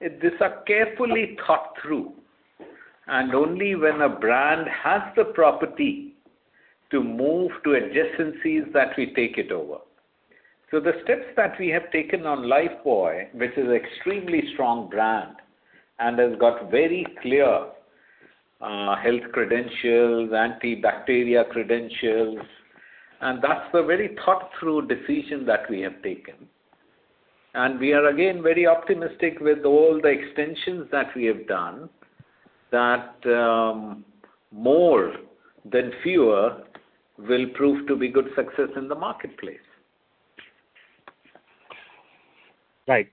S4: these are carefully thought through. And only when a brand has the property to move to adjacencies that we take it over. So the steps that we have taken on Lifebuoy, which is an extremely strong brand and has got very clear health credentials, antibacterial credentials, and that's a very thought-through decision that we have taken. And we are, again, very optimistic with all the extensions that we have done that more than fewer will prove to be good success in the marketplace.
S5: Right.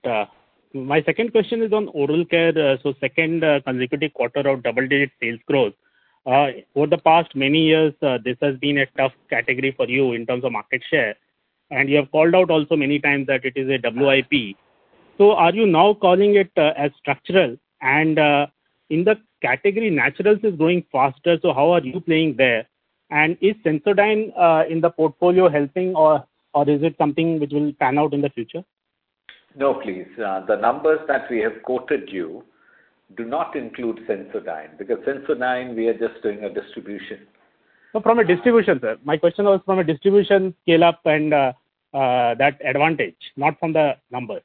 S5: My second question is on oral care. So second consecutive quarter of double-digit sales growth. For the past many years, this has been a tough category for you in terms of market share. And you have called out also many times that it is a WIP. So are you now calling it as structural? And in the category, naturals is growing faster. So how are you playing there? And is Sensodyne in the portfolio helping, or is it something which will pan out in the future?
S4: No, please. The numbers that we have quoted you do not include Sensodyne because Sensodyne, we are just doing a distribution.
S5: So, from a distribution, sir, my question was from a distribution scale-up and that advantage, not from the numbers.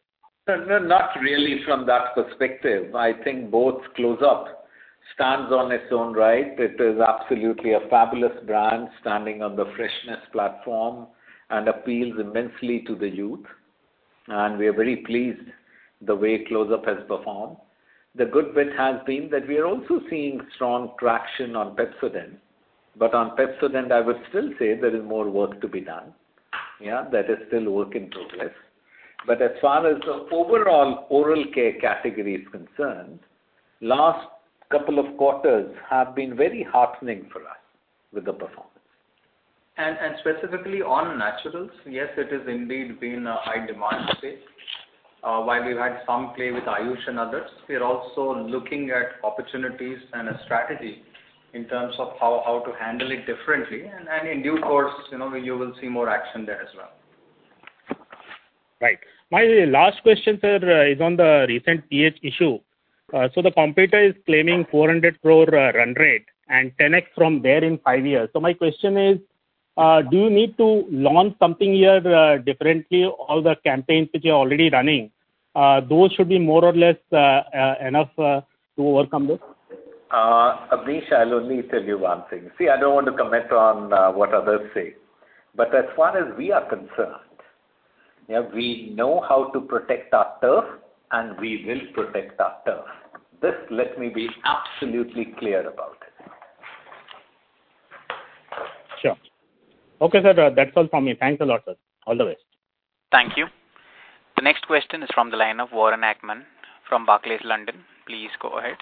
S4: No, not really from that perspective. I think both Close Up stands on its own right. It is absolutely a fabulous brand standing on the freshness platform and appeals immensely to the youth. And we are very pleased the way Close Up has performed. The good bit has been that we are also seeing strong traction on Pepsodent. But on Pepsodent, I would still say there is more work to be done. Yeah, that is still work in progress. But as far as the overall oral care category is concerned, last couple of quarters have been very heartening for us with the performance. And specifically on naturals, yes, it has indeed been a high-demand space. While we've had some play with Ayush and others, we are also looking at opportunities and a strategy in terms of how to handle it differently. In due course, you will see more action there as well.
S5: Right. My last question, sir, is on the recent pH issue. So the competitor is claiming 400 crore run rate and 10x from there in five years. So my question is, do you need to launch something here differently? All the campaigns which you're already running, those should be more or less enough to overcome this?
S4: Abneesh, I'll only tell you one thing. See, I don't want to comment on what others say. But as far as we are concerned, we know how to protect our turf, and we will protect our turf. This, let me be absolutely clear about it.
S5: Sure. Okay, sir, that's all from me. Thanks a lot, sir. All the best.
S3: Thank you.
S1: The next question is from the line of Warren Ackerman from Barclays London. Please go ahead.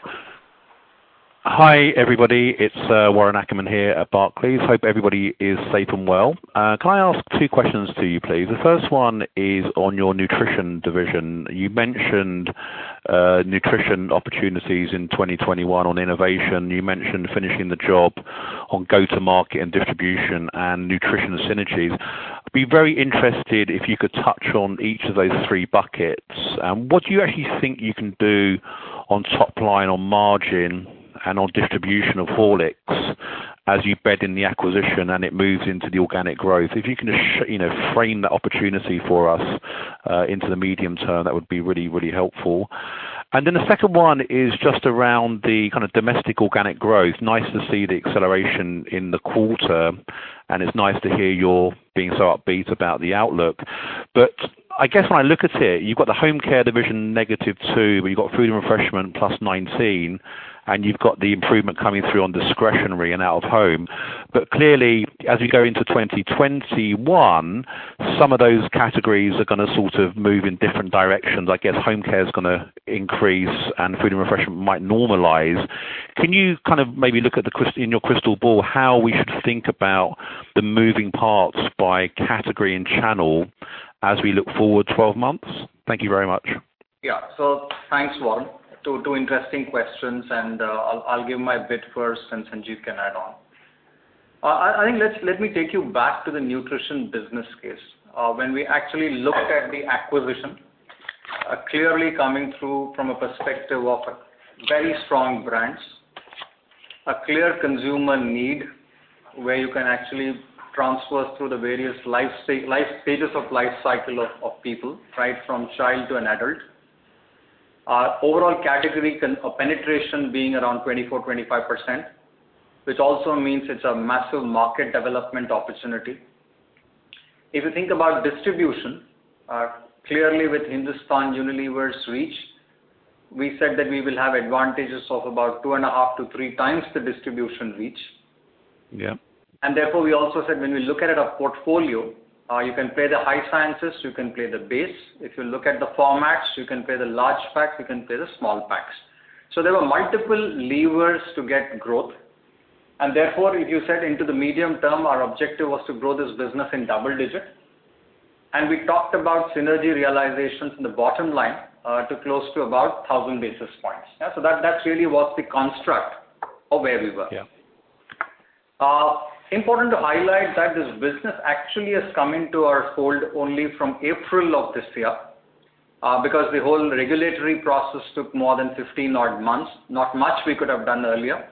S6: Hi, everybody. It's Warren Ackerman here at Barclays. Hope everybody is safe and well. Can I ask two questions to you, please? The first one is on your nutrition division. You mentioned nutrition opportunities in 2021 on innovation. You mentioned finishing the job on go-to-market and distribution and nutrition synergies. I'd be very interested if you could touch on each of those three buckets. And what do you actually think you can do on top line, on margin, and on distribution of Horlicks as you bed in the acquisition and it moves into the organic growth? If you can frame that opportunity for us into the medium term, that would be really, really helpful. And then the second one is just around the kind of domestic organic growth. Nice to see the acceleration in the quarter, and it's nice to hear you're being so upbeat about the outlook. But I guess when I look at it, you've got the home care division negative two, but you've got food and refreshment plus 19, and you've got the improvement coming through on discretionary and out of home. But clearly, as we go into 2021, some of those categories are going to sort of move in different directions. I guess home care is going to increase, and food and refreshment might normalize. Can you kind of maybe look at in your crystal ball how we should think about the moving parts by category and channel as we look forward 12 months? Thank you very much.
S4: Yeah. So thanks, Warren. Two interesting questions, and I'll give my bit first, and Sanjiv can add on. I think let me take you back to the nutrition business case. When we actually looked at the acquisition, clearly coming through from a perspective of very strong brands, a clear consumer need where you can actually transfer through the various stages of life cycle of people, right, from child to an adult. Overall category penetration being around 24%-25%, which also means it's a massive market development opportunity. If you think about distribution, clearly with Hindustan Unilever's reach, we said that we will have advantages of about 2.5-3 times the distribution reach. And therefore, we also said when we look at a portfolio, you can play the high sciences, you can play the base. If you look at the formats, you can play the large packs, you can play the small packs, so there were multiple levers to get growth, and therefore, if you said into the medium term, our objective was to grow this business in double-digit, and we talked about synergy realizations in the bottom line to close to about 1,000 basis points, so that's really what's the construct of where we were. Important to highlight that this business actually has come into our fold only from April of this year because the whole regulatory process took more than 15-odd months. Not much we could have done earlier,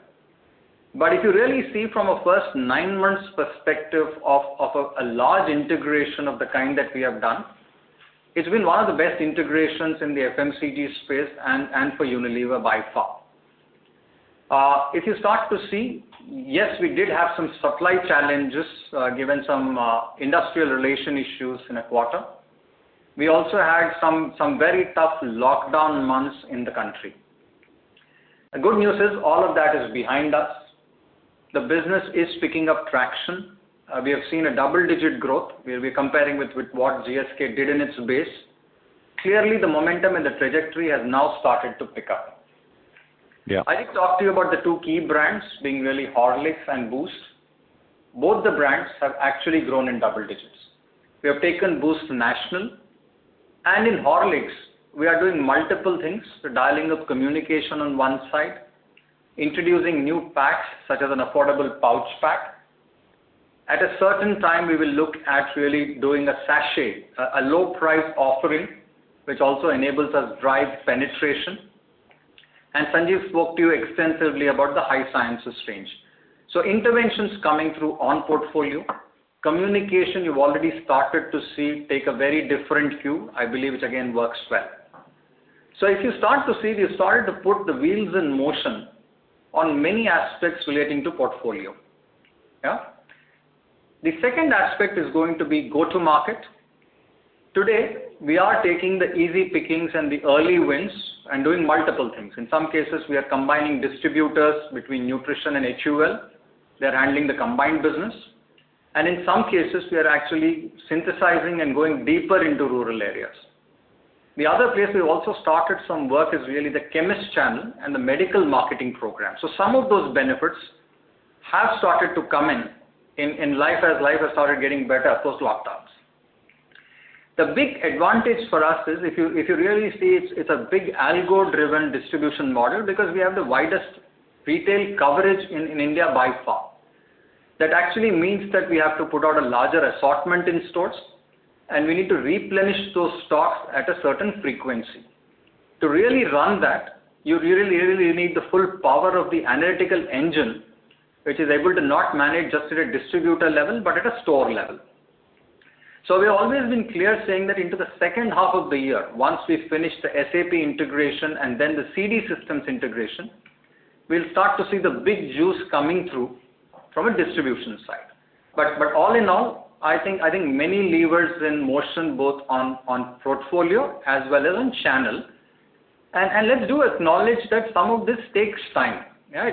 S4: but if you really see from a first nine-month perspective of a large integration of the kind that we have done, it's been one of the best integrations in the FMCG space and for Unilever by far. If you start to see, yes, we did have some supply challenges given some industrial relation issues in a quarter. We also had some very tough lockdown months in the country. The good news is all of that is behind us. The business is picking up traction. We have seen a double-digit growth where we're comparing with what GSK did in its base. Clearly, the momentum and the trajectory has now started to pick up. I did talk to you about the two key brands being really Horlicks and Boost. Both the brands have actually grown in double digits. We have taken Boost national, and in Horlicks, we are doing multiple things. We're dialing up communication on one side, introducing new packs such as an affordable pouch pack. At a certain time, we will look at really doing a sachet, a low-price offering, which also enables us drive penetration. And Sanjiv spoke to you extensively about the high sciences range. So interventions coming through on portfolio. Communication, you've already started to see take a very different cue, I believe, which again works well. So if you start to see, we've started to put the wheels in motion on many aspects relating to portfolio. Yeah? The second aspect is going to be go-to-market. Today, we are taking the easy pickings and the early wins and doing multiple things. In some cases, we are combining distributors between nutrition and HUL. They're handling the combined business. And in some cases, we are actually synthesizing and going deeper into rural areas. The other place we've also started some work is really the chemist channel and the medical marketing program. So some of those benefits have started to come in in Lifebuoy as Lifebuoy has started getting better post-lockdowns. The big advantage for us is if you really see, it's a big algo-driven distribution model because we have the widest retail coverage in India by far. That actually means that we have to put out a larger assortment in stores, and we need to replenish those stocks at a certain frequency. To really run that, you really, really need the full power of the analytical engine, which is able to not manage just at a distributor level, but at a store level. So we've always been clear saying that into the second half of the year, once we finish the SAP integration and then the CD systems integration, we'll start to see the big juice coming through from a distribution side. But all in all, I think many levers in motion, both on portfolio as well as on channel. And let's do acknowledge that some of this takes time.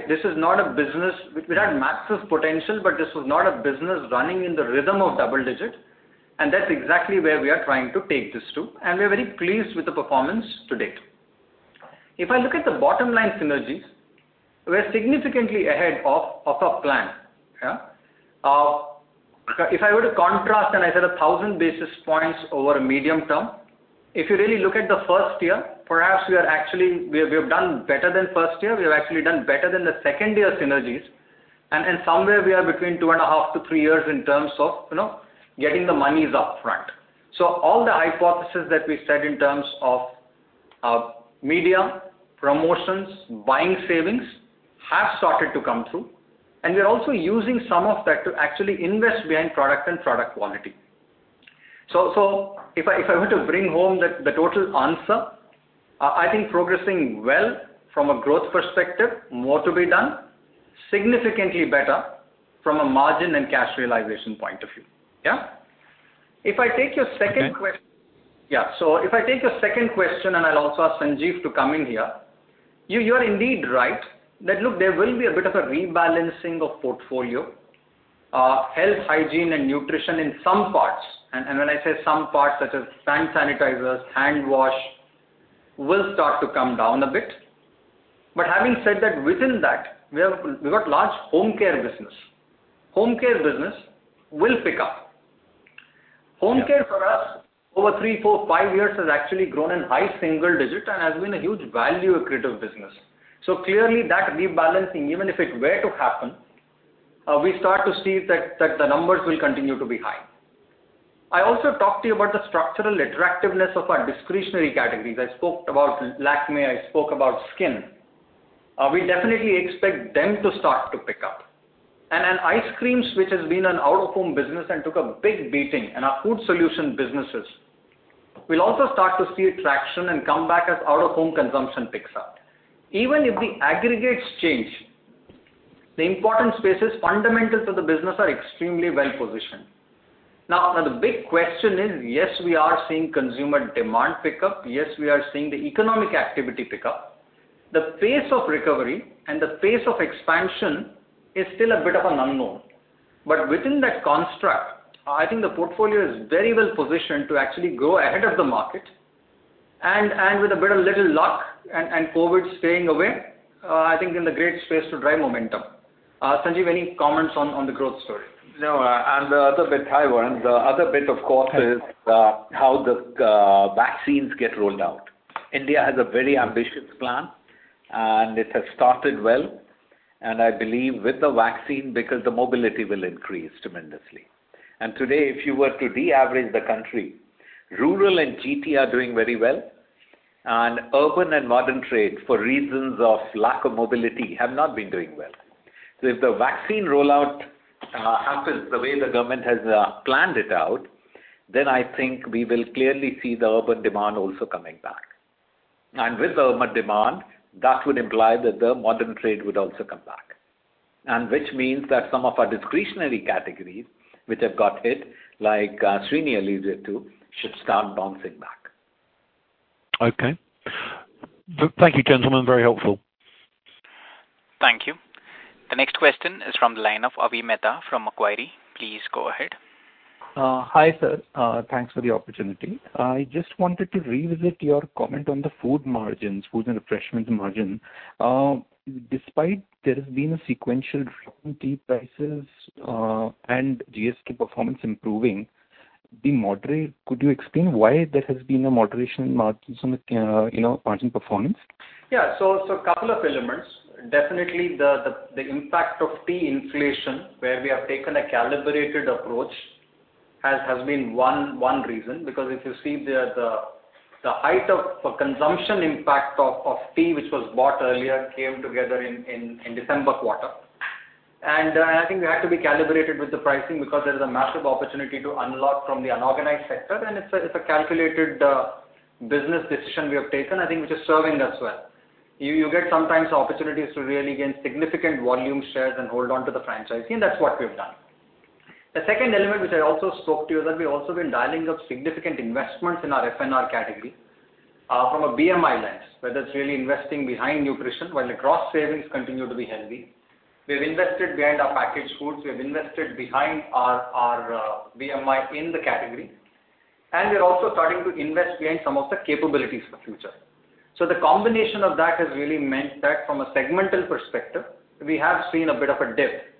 S4: This is not a business without massive potential, but this was not a business running in the rhythm of double-digit, and that's exactly where we are trying to take this to, and we're very pleased with the performance to date. If I look at the bottom line synergies, we're significantly ahead of our plan. Yeah? If I were to contrast and I said 1,000 basis points over a medium-term, if you really look at the first year, perhaps we have done better than first year. We have actually done better than the second-year synergies, and somewhere, we are between two and a half to three years in terms of getting the monies upfront. So all the hypotheses that we said in terms of media, promotions, buying savings have started to come through, and we're also using some of that to actually invest behind product and product quality. So if I were to bring home the total answer, I think progressing well from a growth perspective, more to be done, significantly better from a margin and cash realization point of view. Yeah? If I take your second question yeah. So if I take your second question, and I'll also ask Sanjiv to come in here, you are indeed right that, look, there will be a bit of a rebalancing of portfolio. Health, hygiene, and nutrition in some parts. And when I say some parts, such as hand sanitizers, hand wash, will start to come down a bit. But having said that, within that, we've got large home care business. Home care business will pick up. Home care for us over three, four, five years has actually grown in high single digit and has been a huge value-accretive business. So clearly, that rebalancing, even if it were to happen, we start to see that the numbers will continue to be high. I also talked to you about the structural attractiveness of our discretionary categories. I spoke about Lakmé. I spoke about skin. We definitely expect them to start to pick up, and ice creams, which has been an out-of-home business and took a big beating, and our food solution businesses will also start to see traction and come back as out-of-home consumption picks up. Even if the aggregates change, the important spaces fundamental to the business are extremely well-positioned. Now, the big question is, yes, we are seeing consumer demand pick up. Yes, we are seeing the economic activity pick up. The pace of recovery and the pace of expansion is still a bit of an unknown. But within that construct, I think the portfolio is very well-positioned to actually grow ahead of the market. And with a bit of little luck and COVID staying away, I think in the great space to drive momentum. Sanjiv, any comments on the growth story?
S3: No, and the other bit, Hi Warren. The other bit, of course, is how the vaccines get rolled out. India has a very ambitious plan, and it has started well. And I believe with the vaccine because the mobility will increase tremendously. And today, if you were to de-average the country, rural and GT are doing very well. And urban and modern trade, for reasons of lack of mobility, have not been doing well. So if the vaccine rollout happens the way the government has planned it out, then I think we will clearly see the urban demand also coming back. And with the urban demand, that would imply that the modern trade would also come back. And which means that some of our discretionary categories, which have got hit, like Srini alluded to, should start bouncing back.
S6: Okay. Thank you, gentlemen. Very helpful.
S1: Thank you. The next question is from the line of Avi Mehta from Macquarie. Please go ahead.
S7: Hi, sir. Thanks for the opportunity. I just wanted to revisit your comment on the food margins, food and refreshment margin. Despite there has been a sequential drop in tea prices and GSK performance improving, the moderation could you explain why there has been a moderation in margin performance?
S4: Yeah. So a couple of elements. Definitely, the impact of tea inflation, where we have taken a calibrated approach, has been one reason. Because if you see the height of consumption impact of tea, which was bought earlier, came together in December quarter. And I think we had to be calibrated with the pricing because there is a massive opportunity to unlock from the unorganized sector. And it's a calculated business decision we have taken, I think, which is serving us well. You get sometimes opportunities to really gain significant volume shares and hold on to the franchise. And that's what we have done. The second element, which I also spoke to you, is that we have also been dialing up significant investments in our FNR category from a BMI lens, whether it's really investing behind nutrition while the gross savings continue to be heavy. We have invested behind our packaged foods. We have invested behind our BMI in the category, and we're also starting to invest behind some of the capabilities for future. The combination of that has really meant that from a segmental perspective, we have seen a bit of a dip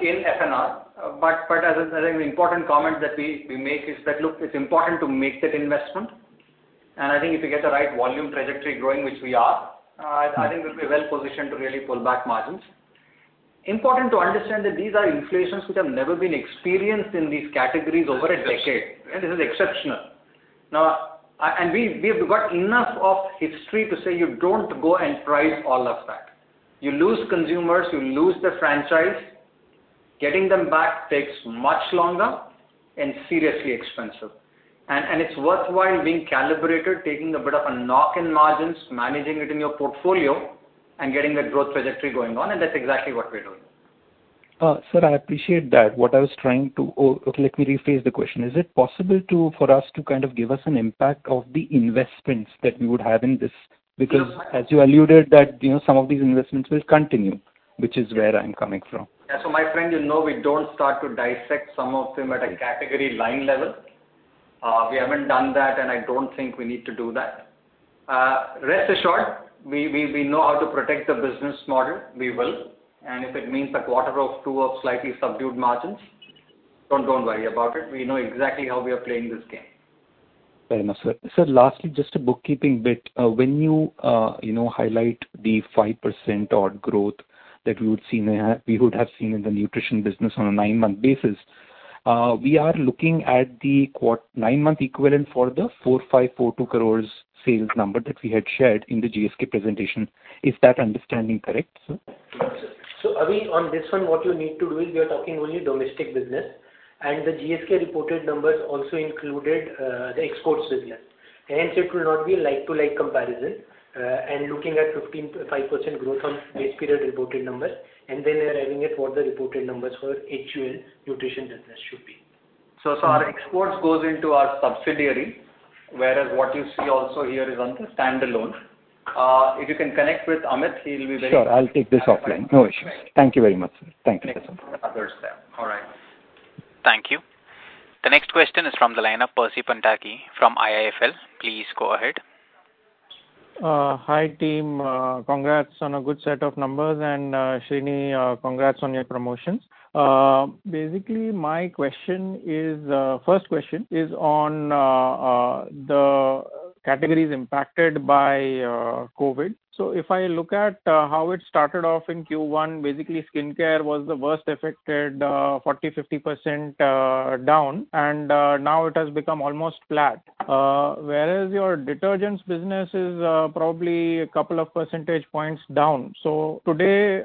S4: in FNR, but as an important comment that we make is that, look, it's important to make that investment, and I think if you get the right volume trajectory growing, which we are, I think we'll be well-positioned to really pull back margins. Important to understand that these are inflations which have never been experienced in these categories over a decade. This is exceptional, and we have got enough of history to say you don't go and price all of that. You lose consumers. You lose the franchise. Getting them back takes much longer and seriously expensive. It's worthwhile being calibrated, taking a bit of a knock in margins, managing it in your portfolio, and getting that growth trajectory going on. That's exactly what we're doing.
S7: Sir, I appreciate that. What I was trying to, let me rephrase the question. Is it possible for us to kind of give us an impact of the investments that we would have in this? Because as you alluded, some of these investments will continue, which is where I'm coming from.
S4: Yeah. So my friend, you know we don't start to dissect some of them at a category line level. We haven't done that, and I don't think we need to do that. Rest assured, we know how to protect the business model. We will. And if it means a quarter or two of slightly subdued margins, don't worry about it. We know exactly how we are playing this game.
S7: Very nice. Sir, lastly, just a bookkeeping bit. When you highlight the 5% odd growth that we would have seen in the nutrition business on a nine-month basis, we are looking at the nine-month equivalent for the 4,542 crores sales number that we had shared in the GSK presentation. Is that understanding correct, sir?
S4: Avi, on this one, what you need to do is we are talking only domestic business. The GSK reported numbers also included the exports business. Hence, it will not be a like-to-like comparison. Looking at 15-5% growth on base period reported numbers. Then we are having it for the reported numbers for HUL nutrition business should be.
S3: Our exports goes into our subsidiary, whereas what you see also here is on the standalone. If you can connect with Amit, he'll be very helpful.
S7: Sure. I'll take this offline. No issue. Thank you very much, sir. Thank you.
S4: And then for others there. All right.
S1: Thank you. The next question is from the line of Percy Panthaki from IIFL. Please go ahead. Hi, team. Congrats on a good set of numbers, and Srini, congrats on your promotions. Basically, my first question is on the categories impacted by COVID. So if I look at how it started off in Q1, basically, skincare was the worst affected, 40% to 50% down. And now it has become almost flat. Whereas your detergents business is probably a couple of percentage points down. So today,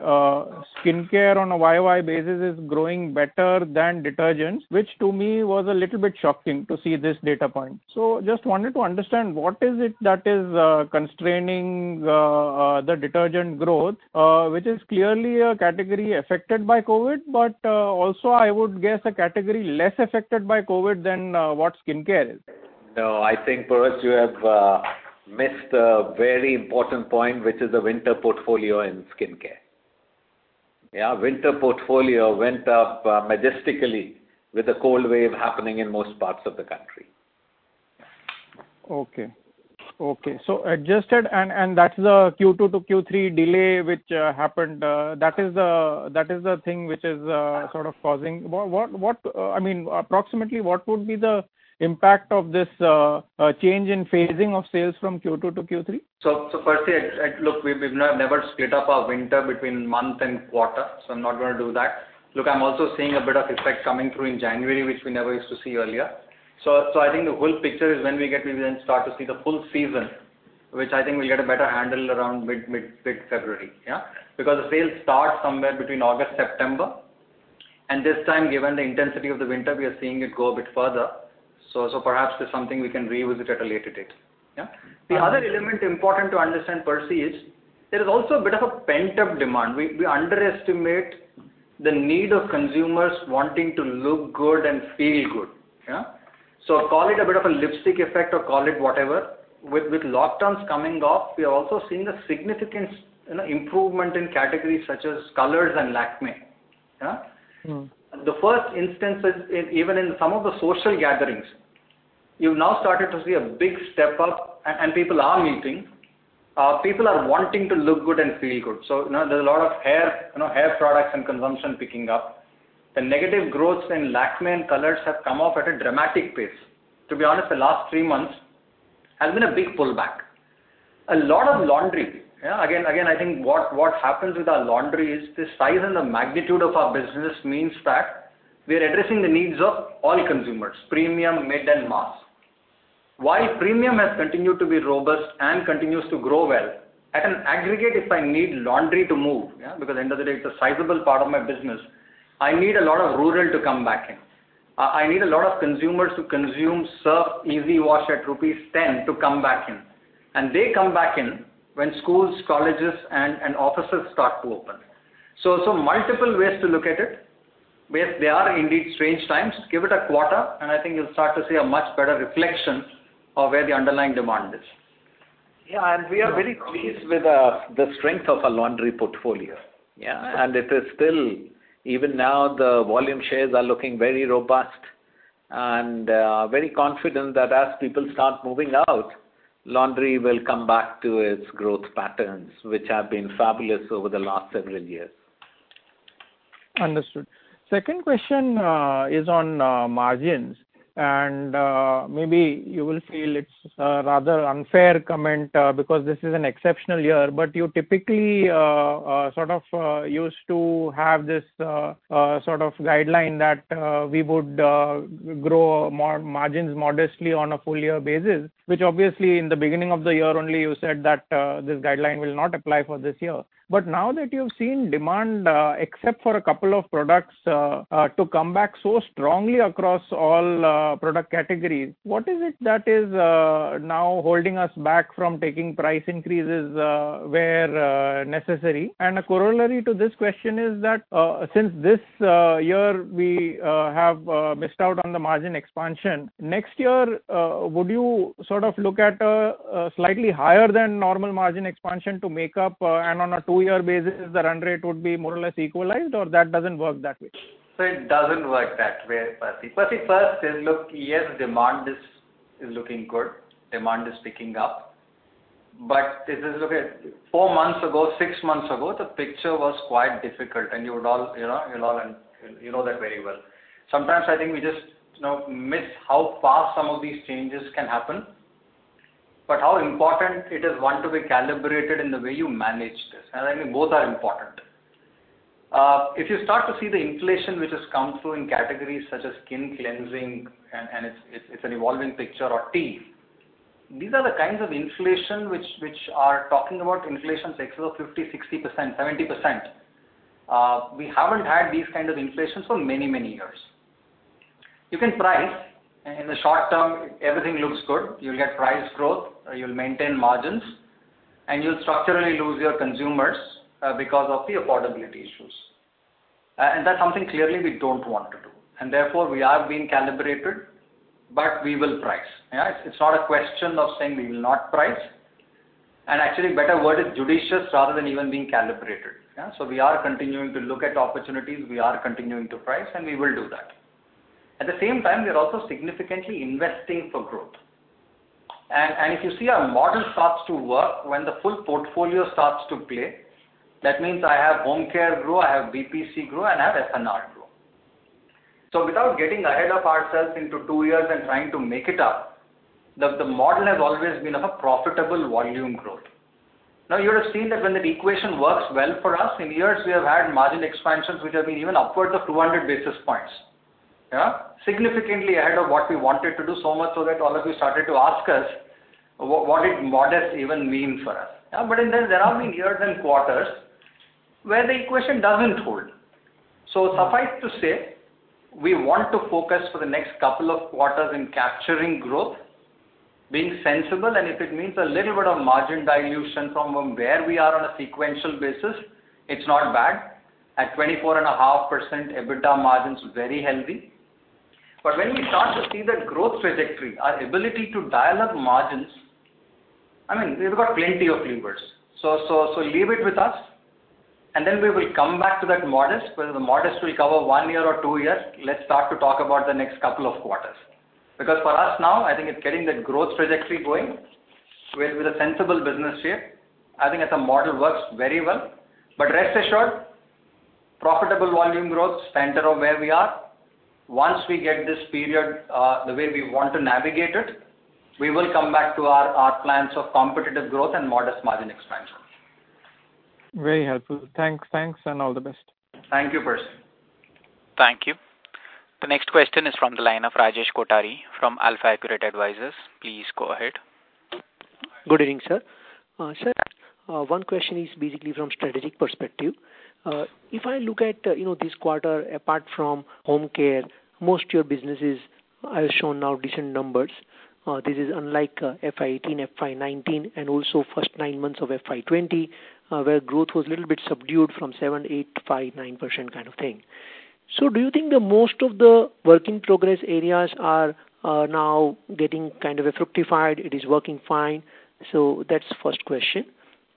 S1: skincare on a YoY basis is growing better than detergents, which to me was a little bit shocking to see this data point. So just wanted to understand what is it that is constraining the detergent growth, which is clearly a category affected by COVID, but also I would guess a category less affected by COVID than what skin care is.
S4: No, I think Percy, you have missed a very important point, which is the winter portfolio in skincare. Yeah? Winter portfolio went up majestically with the cold wave happening in most parts of the country.
S8: Okay. So adjusted. And that's the Q2 to Q3 delay which happened. That is the thing which is sort of causing. I mean, approximately what would be the impact of this change in phasing of sales from Q2 to Q3?
S4: So, Percy, look, we've never split up our winter between month and quarter. So, I'm not going to do that. Look, I'm also seeing a bit of effect coming through in January, which we never used to see earlier. So, I think the whole picture is when we get we then start to see the full season, which I think we'll get a better handle around mid-February. Yeah? Because the sales start somewhere between August, September. And this time, given the intensity of the winter, we are seeing it go a bit further. So, perhaps it's something we can revisit at a later date. Yeah? The other element important to understand, Percy, is there is also a bit of a pent-up demand. We underestimate the need of consumers wanting to look good and feel good. Yeah? So, call it a bit of a lipstick effect or call it whatever. With lockdowns coming off, we are also seeing a significant improvement in categories such as colors and Lakmé. Yeah? The first instance is even in some of the social gatherings. You've now started to see a big step up, and people are meeting. People are wanting to look good and feel good. So there's a lot of hair products and consumption picking up. The negative growth in Lakmé and colors have come off at a dramatic pace. To be honest, the last three months has been a big pullback. A lot of laundry. Yeah? Again, I think what happens with our laundry is the size and the magnitude of our business means that we are addressing the needs of all consumers, premium, mid, and mass. While premium has continued to be robust and continues to grow well, at an aggregate, if I need laundry to move, yeah? Because at the end of the day, it's a sizable part of my business. I need a lot of rural to come back in. I need a lot of consumers to consume Surf Excel wash at rupees 10 to come back in. And they come back in when schools, colleges, and offices start to open. So multiple ways to look at it. They are indeed strange times. Give it a quarter, and I think you'll start to see a much better reflection of where the underlying demand is.
S3: Yeah. And we are very pleased with the strength of our laundry portfolio. Yeah? And it is still even now the volume shares are looking very robust. And very confident that as people start moving out, laundry will come back to its growth patterns, which have been fabulous over the last several years.
S8: Understood. Second question is on margins. And maybe you will feel it's a rather unfair comment because this is an exceptional year. But you typically sort of used to have this sort of guideline that we would grow margins modestly on a full-year basis, which obviously in the beginning of the year only you said that this guideline will not apply for this year. But now that you've seen demand, except for a couple of products, to come back so strongly across all product categories, what is it that is now holding us back from taking price increases where necessary? And a corollary to this question is that since this year we have missed out on the margin expansion, next year, would you sort of look at a slightly higher than normal margin expansion to make up? On a two-year basis, the run rate would be more or less equalized, or that doesn't work that way?
S4: So it doesn't work that way, Percy. Percy, first is, look, yes, demand is looking good. Demand is picking up. But if you look at four months ago, six months ago, the picture was quite difficult. And you all know that very well. Sometimes I think we just miss how fast some of these changes can happen. But how important it is one to be calibrated in the way you manage this. And I think both are important. If you start to see the inflation which has come through in categories such as skin cleansing, and it's an evolving picture, or tea, these are the kinds of inflation which are talking about inflation excess of 50% to 70%. We haven't had these kinds of inflations for many, many years. You can price. In the short term, everything looks good. You'll get price growth. You'll maintain margins. And you'll structurally lose your consumers because of the affordability issues. And that's something clearly we don't want to do. And therefore, we are being calibrated, but we will price. Yeah? It's not a question of saying we will not price. And actually, better word is judicious rather than even being calibrated. Yeah? So we are continuing to look at opportunities. We are continuing to price, and we will do that. At the same time, we are also significantly investing for growth. And if you see our model starts to work when the full portfolio starts to play, that means I have home care grow, I have BPC grow, and I have FNR grow. So without getting ahead of ourselves into two years and trying to make it up, the model has always been of a profitable volume growth. Now, you would have seen that when the equation works well for us, in years, we have had margin expansions which have been even upwards of 200 basis points. Yeah? Significantly ahead of what we wanted to do, so much so that all of you started to ask us what did modest even mean for us. Yeah? But then there have been years and quarters where the equation doesn't hold. So suffice to say, we want to focus for the next couple of quarters in capturing growth, being sensible. And if it means a little bit of margin dilution from where we are on a sequential basis, it's not bad. At 24.5% EBITDA margins, very healthy. But when we start to see that growth trajectory, our ability to dial up margins, I mean, we've got plenty of levers. So leave it with us. Then we will come back to that medium. Whether the medium will cover one year or two years, let's start to talk about the next couple of quarters. Because for us now, I think it's getting that growth trajectory going with a sensible business shape. I think that the model works very well. But rest assured, profitable volume growth, center of where we are. Once we get this period the way we want to navigate it, we will come back to our plans of competitive growth and modest margin expansion.
S8: Very helpful. Thanks. Thanks and all the best.
S4: Thank you, Percy.
S1: Thank you. The next question is from the line of Rajesh Kothari from Alfa Accurate Advisors. Please go ahead.
S9: Good evening, sir. Sir, one question is basically from strategic perspective. If I look at this quarter, apart from home care, most of your businesses have shown now decent numbers. This is unlike FY18, FY19, and also first nine months of FY20, where growth was a little bit subdued from 7%, 8%, 5%, 9% kind of thing. So do you think most of the work in progress areas are now getting kind of fructified? It is working fine. So that's the first question.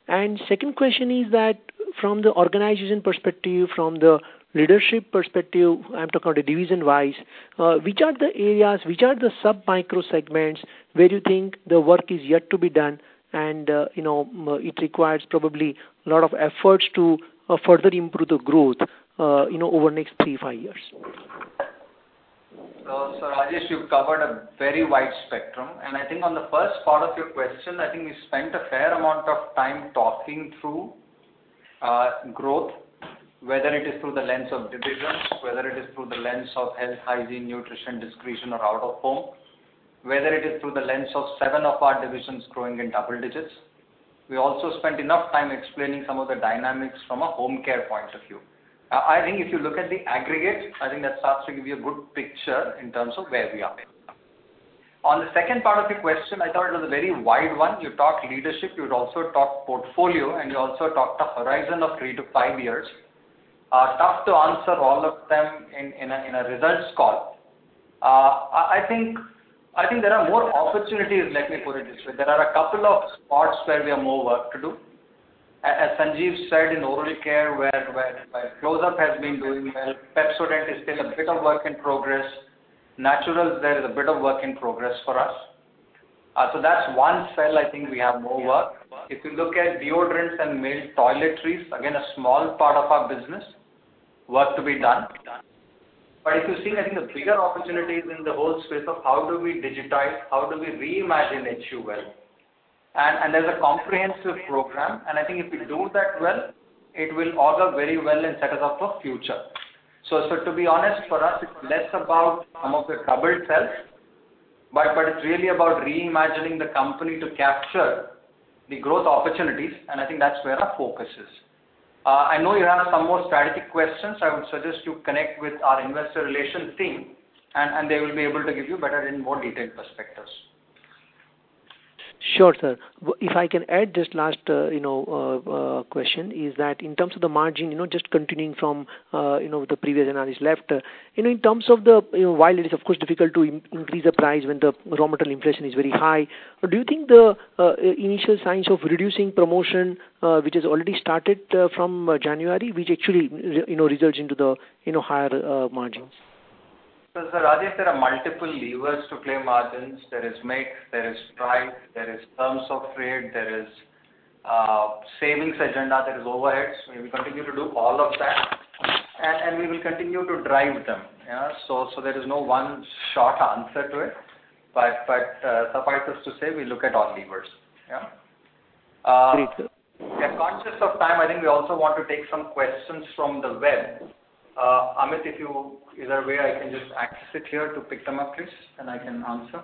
S9: And second question is that from the organization perspective, from the leadership perspective, I'm talking about division-wise, which are the areas, which are the sub-micro segments where you think the work is yet to be done and it requires probably a lot of efforts to further improve the growth over the next three, five years?
S4: Rajesh, you've covered a very wide spectrum. I think on the first part of your question, I think we spent a fair amount of time talking through growth, whether it is through the lens of divisions, whether it is through the lens of health, hygiene, nutrition, discretion, or out of home, whether it is through the lens of seven of our divisions growing in double digits. We also spent enough time explaining some of the dynamics from a home care point of view. I think if you look at the aggregate, I think that starts to give you a good picture in terms of where we are in. On the second part of your question, I thought it was a very wide one. You talked leadership. You also talked portfolio. And you also talked the horizon of three to five years. Tough to answer all of them in a results call. I think there are more opportunities. Let me put it this way. There are a couple of spots where we have more work to do. As Sanjiv said, in oral care, where Close-Up has been doing well. Pepsodent is still a bit of work in progress. Naturals, there is a bit of work in progress for us. So that's one cell I think we have more work. If you look at deodorants and mild toiletries, again, a small part of our business, work to be done. But if you see, I think the bigger opportunity is in the whole space of how do we digitize, how do we reimagine HUL? And there's a comprehensive program. And I think if we do that well, it will augur very well and set us up for future. So to be honest, for us, it's less about some of the troubled cells, but it's really about reimagining the company to capture the growth opportunities. And I think that's where our focus is. I know you have some more strategic questions. I would suggest you connect with our investor relations team, and they will be able to give you better and more detailed perspectives.
S9: Sure, sir. If I can add this last question, is that in terms of the margin, just continuing from the previous analysis left, in terms of the while it is, of course, difficult to increase the price when the raw material inflation is very high, do you think the initial signs of reducing promotion, which has already started from January, which actually results into the higher margins?
S4: So, Rajesh, there are multiple levers to play margins. There is MIG. There is DRIVE. There is terms of trade. There is savings agenda. There is overheads. We will continue to do all of that. And we will continue to drive them. Yeah? So there is no one short answer to it. But suffice us to say, we look at all levers. Yeah?
S9: Agreed, sir.
S4: We are conscious of time. I think we also want to take some questions from the web. Amit, if you either way, I can just access it here to pick them up, please, and I can answer.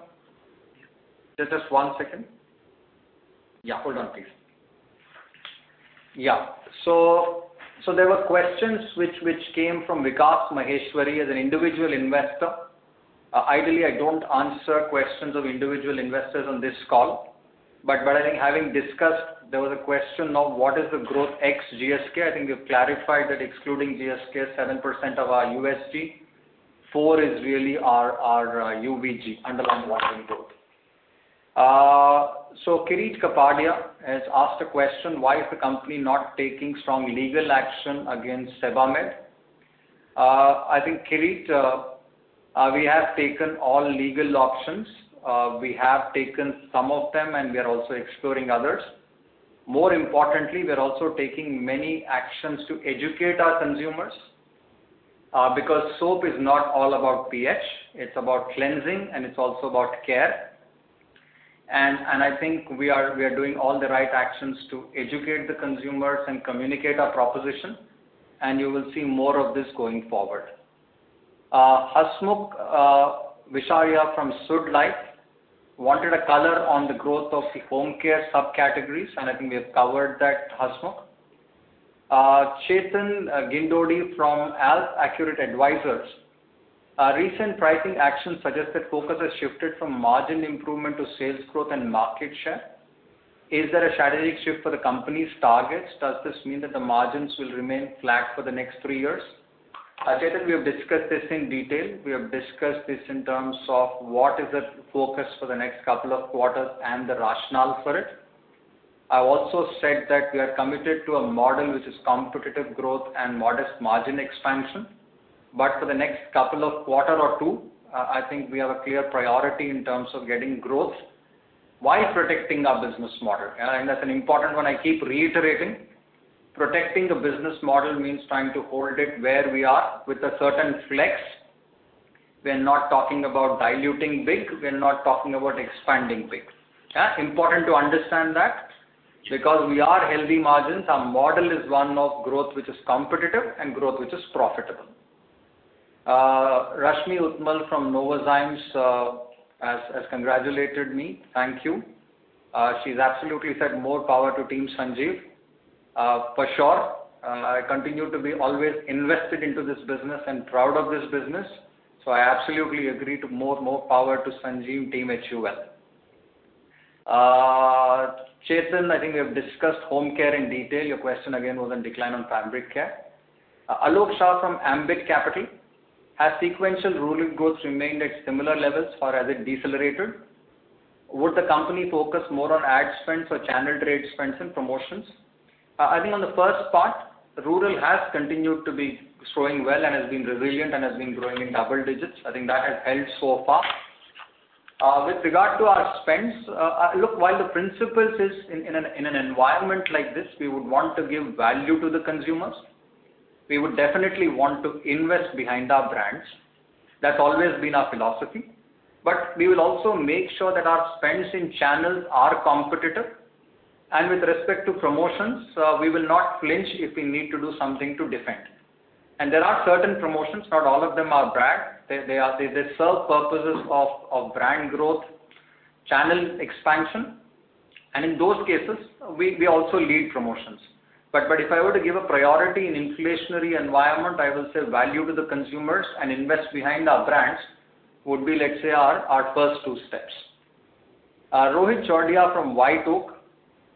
S4: Just one second.
S3: Yeah. Hold on, please. Yeah. So there were questions which came from Vikas Maheshwari as an individual investor. Ideally, I don't answer questions of individual investors on this call. But I think having discussed, there was a question of what is the growth ex GSK? I think you've clarified that excluding GSK, 7% of our USG, 4% is really our UVG, underlying volume growth. So Kirit Kapadia has asked a question, why is the company not taking strong legal action against Sebamed? I think, Kirit, we have taken all legal options. We have taken some of them, and we are also exploring others. More importantly, we are also taking many actions to educate our consumers because soap is not all about pH. It's about cleansing, and it's also about care. And I think we are doing all the right actions to educate the consumers and communicate our proposition. And you will see more of this going forward. Hasmukh Visharia from SUD Life wanted a color on the growth of the home care subcategories. And I think we have covered that, Hasmukh. Chetan Gindodi from Alfa Accurate Advisors, recent pricing action suggests that focus has shifted from margin improvement to sales growth and market share. Is there a strategic shift for the company's targets? Does this mean that the margins will remain flat for the next three years? Chetan, we have discussed this in detail. We have discussed this in terms of what is the focus for the next couple of quarters and the rationale for it. I also said that we are committed to a model which is competitive growth and modest margin expansion. But for the next couple of quarters or two, I think we have a clear priority in terms of getting growth while protecting our business model. And that's an important one I keep reiterating. Protecting the business model means trying to hold it where we are with a certain flex. We are not talking about diluting big. We are not talking about expanding big. Yeah. Important to understand that because we have healthy margins. Our model is one of growth which is competitive and growth which is profitable. Rashmi Utmal from Novazymes has congratulated me. Thank you. She's absolutely said more power to team Sanjiv. For sure. I continue to be always invested into this business and proud of this business. I absolutely agree to more power to Sanjiv team at HUL. Chetan, I think we have discussed home care in detail. Your question again was on decline on fabric care. Alok Shah from Ambit Capital, has sequential rural growth remained at similar levels or has it decelerated? Would the company focus more on ad spend or channel trade spend and promotions? I think on the first part, rural has continued to be growing well and has been resilient and has been growing in double digits. I think that has held so far. With regard to our spends, look, while the principle is in an environment like this, we would want to give value to the consumers. We would definitely want to invest behind our brands. That's always been our philosophy. But we will also make sure that our spends in channels are competitive. And with respect to promotions, we will not flinch if we need to do something to defend. And there are certain promotions. Not all of them are bad. They serve purposes of brand growth, channel expansion. And in those cases, we also lead promotions. But if I were to give a priority in an inflationary environment, I will say value to the consumers and invest behind our brands would be, let's say, our first two steps. Rohit Chordia from White Oak,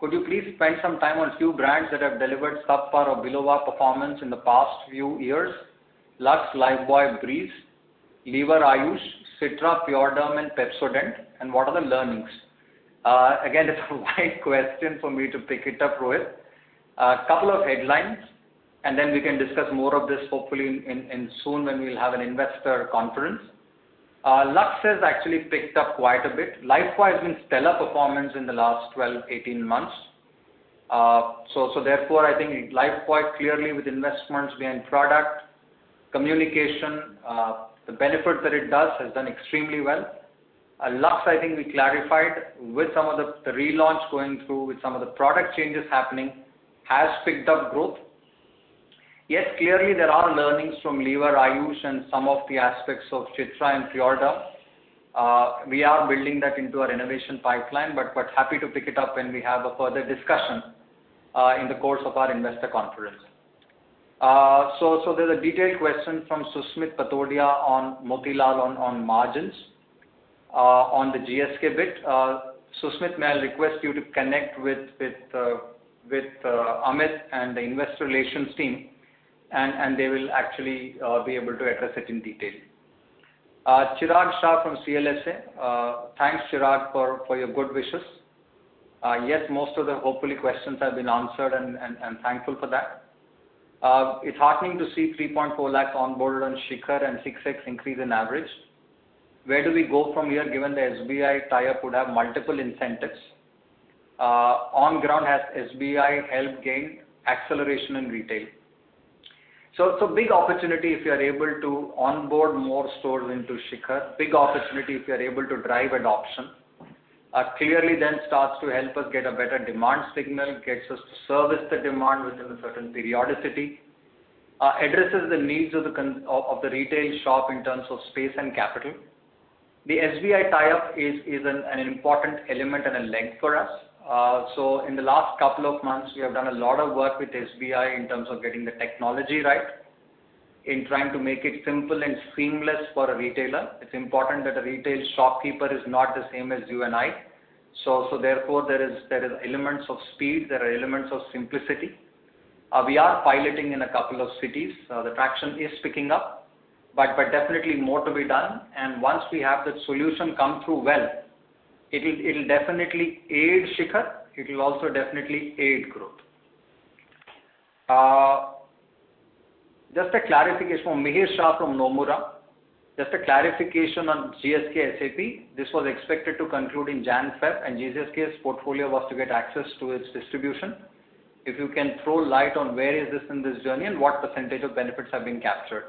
S3: could you please spend some time on a few brands that have delivered subpar or below our performance in the past few years? Lux, Lifebuoy, Breeze, Lever Ayush, Citra, Pure Derm, and Pepsodent. And what are the learnings? Again, it's a wide question for me to pick it up, Rohit. A couple of headlines, and then we can discuss more of this, hopefully, soon when we'll have an investor conference. Lux has actually picked up quite a bit. Lifebuoy has been stellar performance in the last 12, 18 months. So therefore, I think Lifebuoy clearly with investments behind product, communication, the benefit that it does has done extremely well. Lux, I think we clarified with some of the relaunch going through with some of the product changes happening, has picked up growth. Yes, clearly there are learnings from Lever Ayush and some of the aspects of Citra and Pure Derm. We are building that into our innovation pipeline, but happy to pick it up when we have a further discussion in the course of our investor conference. So there's a detailed question from Susmit Patodia on Motilal on margins on the GSK bit. Susmit, may I request you to connect with Amit and the investor relations team, and they will actually be able to address it in detail. Chirag Shah from CLSA, thanks, Chirag, for your good wishes. Yes, most of the hopefully questions have been answered, and thankful for that. It's heartening to see 3.4 lakh onboarded on Shikhar and 6X increase in average. Where do we go from here given the SBI tie-up would have multiple incentives? On ground has SBI help gain acceleration in retail. Big opportunity if you are able to onboard more stores into Shikhar. Big opportunity if you are able to drive adoption. Clearly then starts to help us get a better demand signal, gets us to service the demand within a certain periodicity, addresses the needs of the retail shop in terms of space and capital. The SBI tie-up is an important element and a leg for us. So in the last couple of months, we have done a lot of work with SBI in terms of getting the technology right in trying to make it simple and seamless for a retailer. It's important that a retail shopkeeper is not the same as you and I. So therefore, there are elements of speed. There are elements of simplicity. We are piloting in a couple of cities. The traction is picking up, but definitely more to be done. And once we have the solution come through well, it will definitely aid Shikhar. It will also definitely aid growth. Just a clarification from Mihir Shah from Nomura. Just a clarification on GSK SAP. This was expected to conclude in January February, and GSK's portfolio was to get access to its distribution. If you can throw light on where is this in this journey and what percentage of benefits have been captured?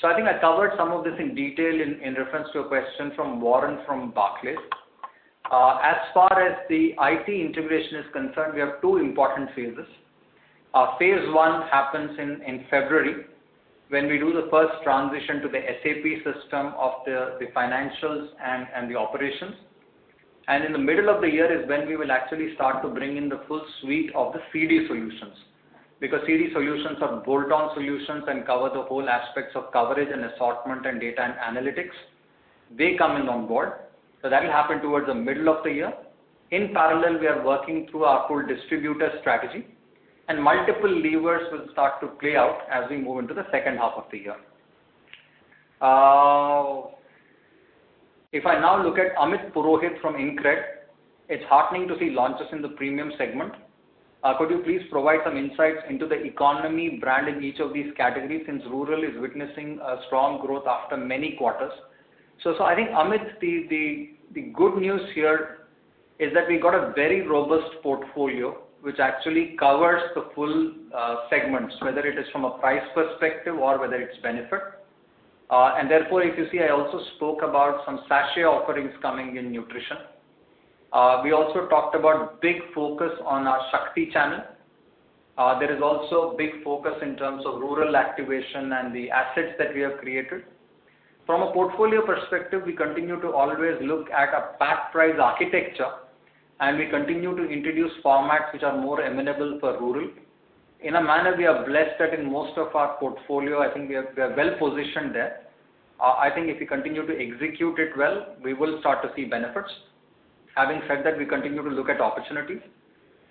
S3: So I think I covered some of this in detail in reference to a question from Warren from Barclays. As far as the IT integration is concerned, we have two important phases. Phase one happens in February when we do the first transition to the SAP system of the financials and the operations. And in the middle of the year is when we will actually start to bring in the full suite of the CD solutions because CD solutions are bolt-on solutions and cover the whole aspects of coverage and assortment and data and analytics. They come in on board. So that will happen towards the middle of the year. In parallel, we are working through our full distributor strategy, and multiple levers will start to play out as we move into the second half of the year. If I now look at Amit Purohit from InCred, it's heartening to see launches in the premium segment. Could you please provide some insights into the economy brand in each of these categories since rural is witnessing strong growth after many quarters? So I think, Amit, the good news here is that we got a very robust portfolio which actually covers the full segments, whether it is from a price perspective or whether it's benefit. And therefore, if you see, I also spoke about some sachet offerings coming in nutrition. We also talked about big focus on our Shakti channel. There is also big focus in terms of rural activation and the assets that we have created. From a portfolio perspective, we continue to always look at a pack price architecture, and we continue to introduce formats which are more amenable for rural. In a manner, we are blessed that in most of our portfolio, I think we are well positioned there. I think if we continue to execute it well, we will start to see benefits. Having said that, we continue to look at opportunities.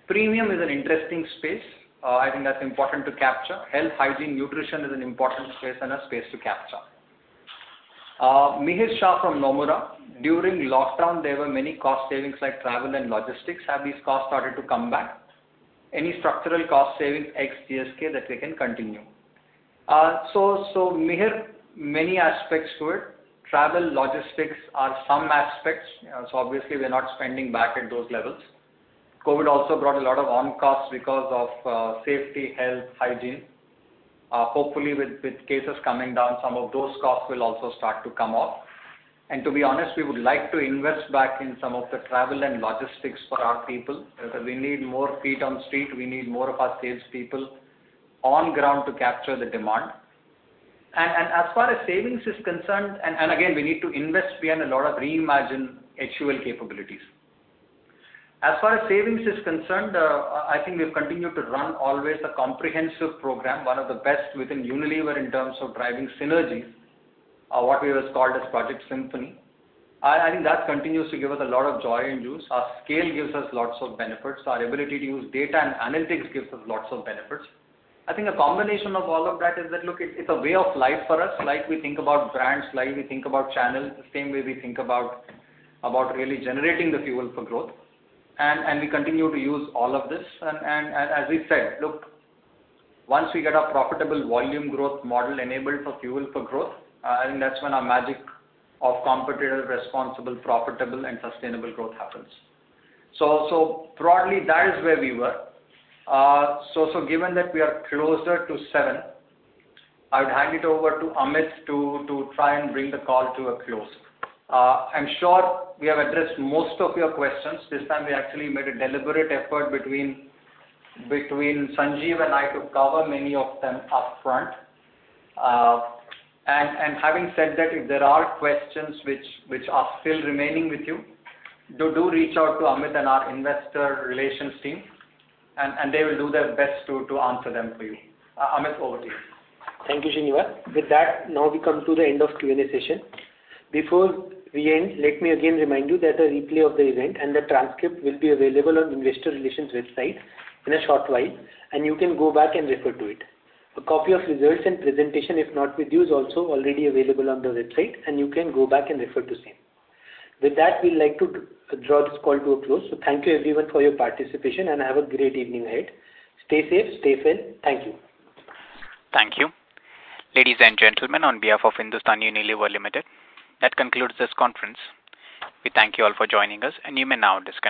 S3: Premium is an interesting space. I think that's important to capture. Health, hygiene, nutrition is an important space and a space to capture. Mihir Shah from Nomura. During lockdown, there were many cost savings like travel and logistics. Have these costs started to come back? Any structural cost savings ex GSK that we can continue? So Mihir, many aspects to it. Travel, logistics are some aspects. So obviously, we are not spending back at those levels. COVID also brought a lot of on-costs because of safety, health, hygiene. Hopefully, with cases coming down, some of those costs will also start to come off. And to be honest, we would like to invest back in some of the travel and logistics for our people because we need more feet on the street. We need more of our salespeople on ground to capture the demand. And as far as savings is concerned, and again, we need to invest, we had a lot of reimagined HUL capabilities. As far as savings is concerned, I think we've continued to run always a comprehensive program, one of the best within Unilever in terms of driving synergies, what we have called as Project Symphony. I think that continues to give us a lot of joy and juice. Our scale gives us lots of benefits. Our ability to use data and analytics gives us lots of benefits. I think a combination of all of that is that, look, it's a way of life for us. Like we think about brands, like we think about channels the same way we think about really generating the fuel for growth, and we continue to use all of this. And as we said, look, once we get a profitable volume growth model enabled for fuel for growth, I think that's when our magic of competitive, responsible, profitable, and sustainable growth happens. So broadly, that is where we were, so given that we are closer to seven, I would hand it over to Amit to try and bring the call to a close. I'm sure we have addressed most of your questions. This time, we actually made a deliberate effort between Sanjiv and I to cover many of them upfront. And having said that, if there are questions which are still remaining with you, do reach out to Amit and our investor relations team, and they will do their best to answer them for you. Amit, over to you.
S2: Thank you, Sanjiv. With that, now we come to the end of Q&A session. Before we end, let me again remind you that a replay of the event and the transcript will be available on investor relations website in a short while, and you can go back and refer to it. A copy of results and presentation, if not with you, is also already available on the website, and you can go back and refer to the same. With that, we'd like to draw this call to a close. So thank you, everyone, for your participation, and have a great evening ahead. Stay safe, stay well. Thank you.
S1: Thank you. Ladies and gentlemen, on behalf of Hindustan Unilever Limited, that concludes this conference. We thank you all for joining us, and you may now disconnect.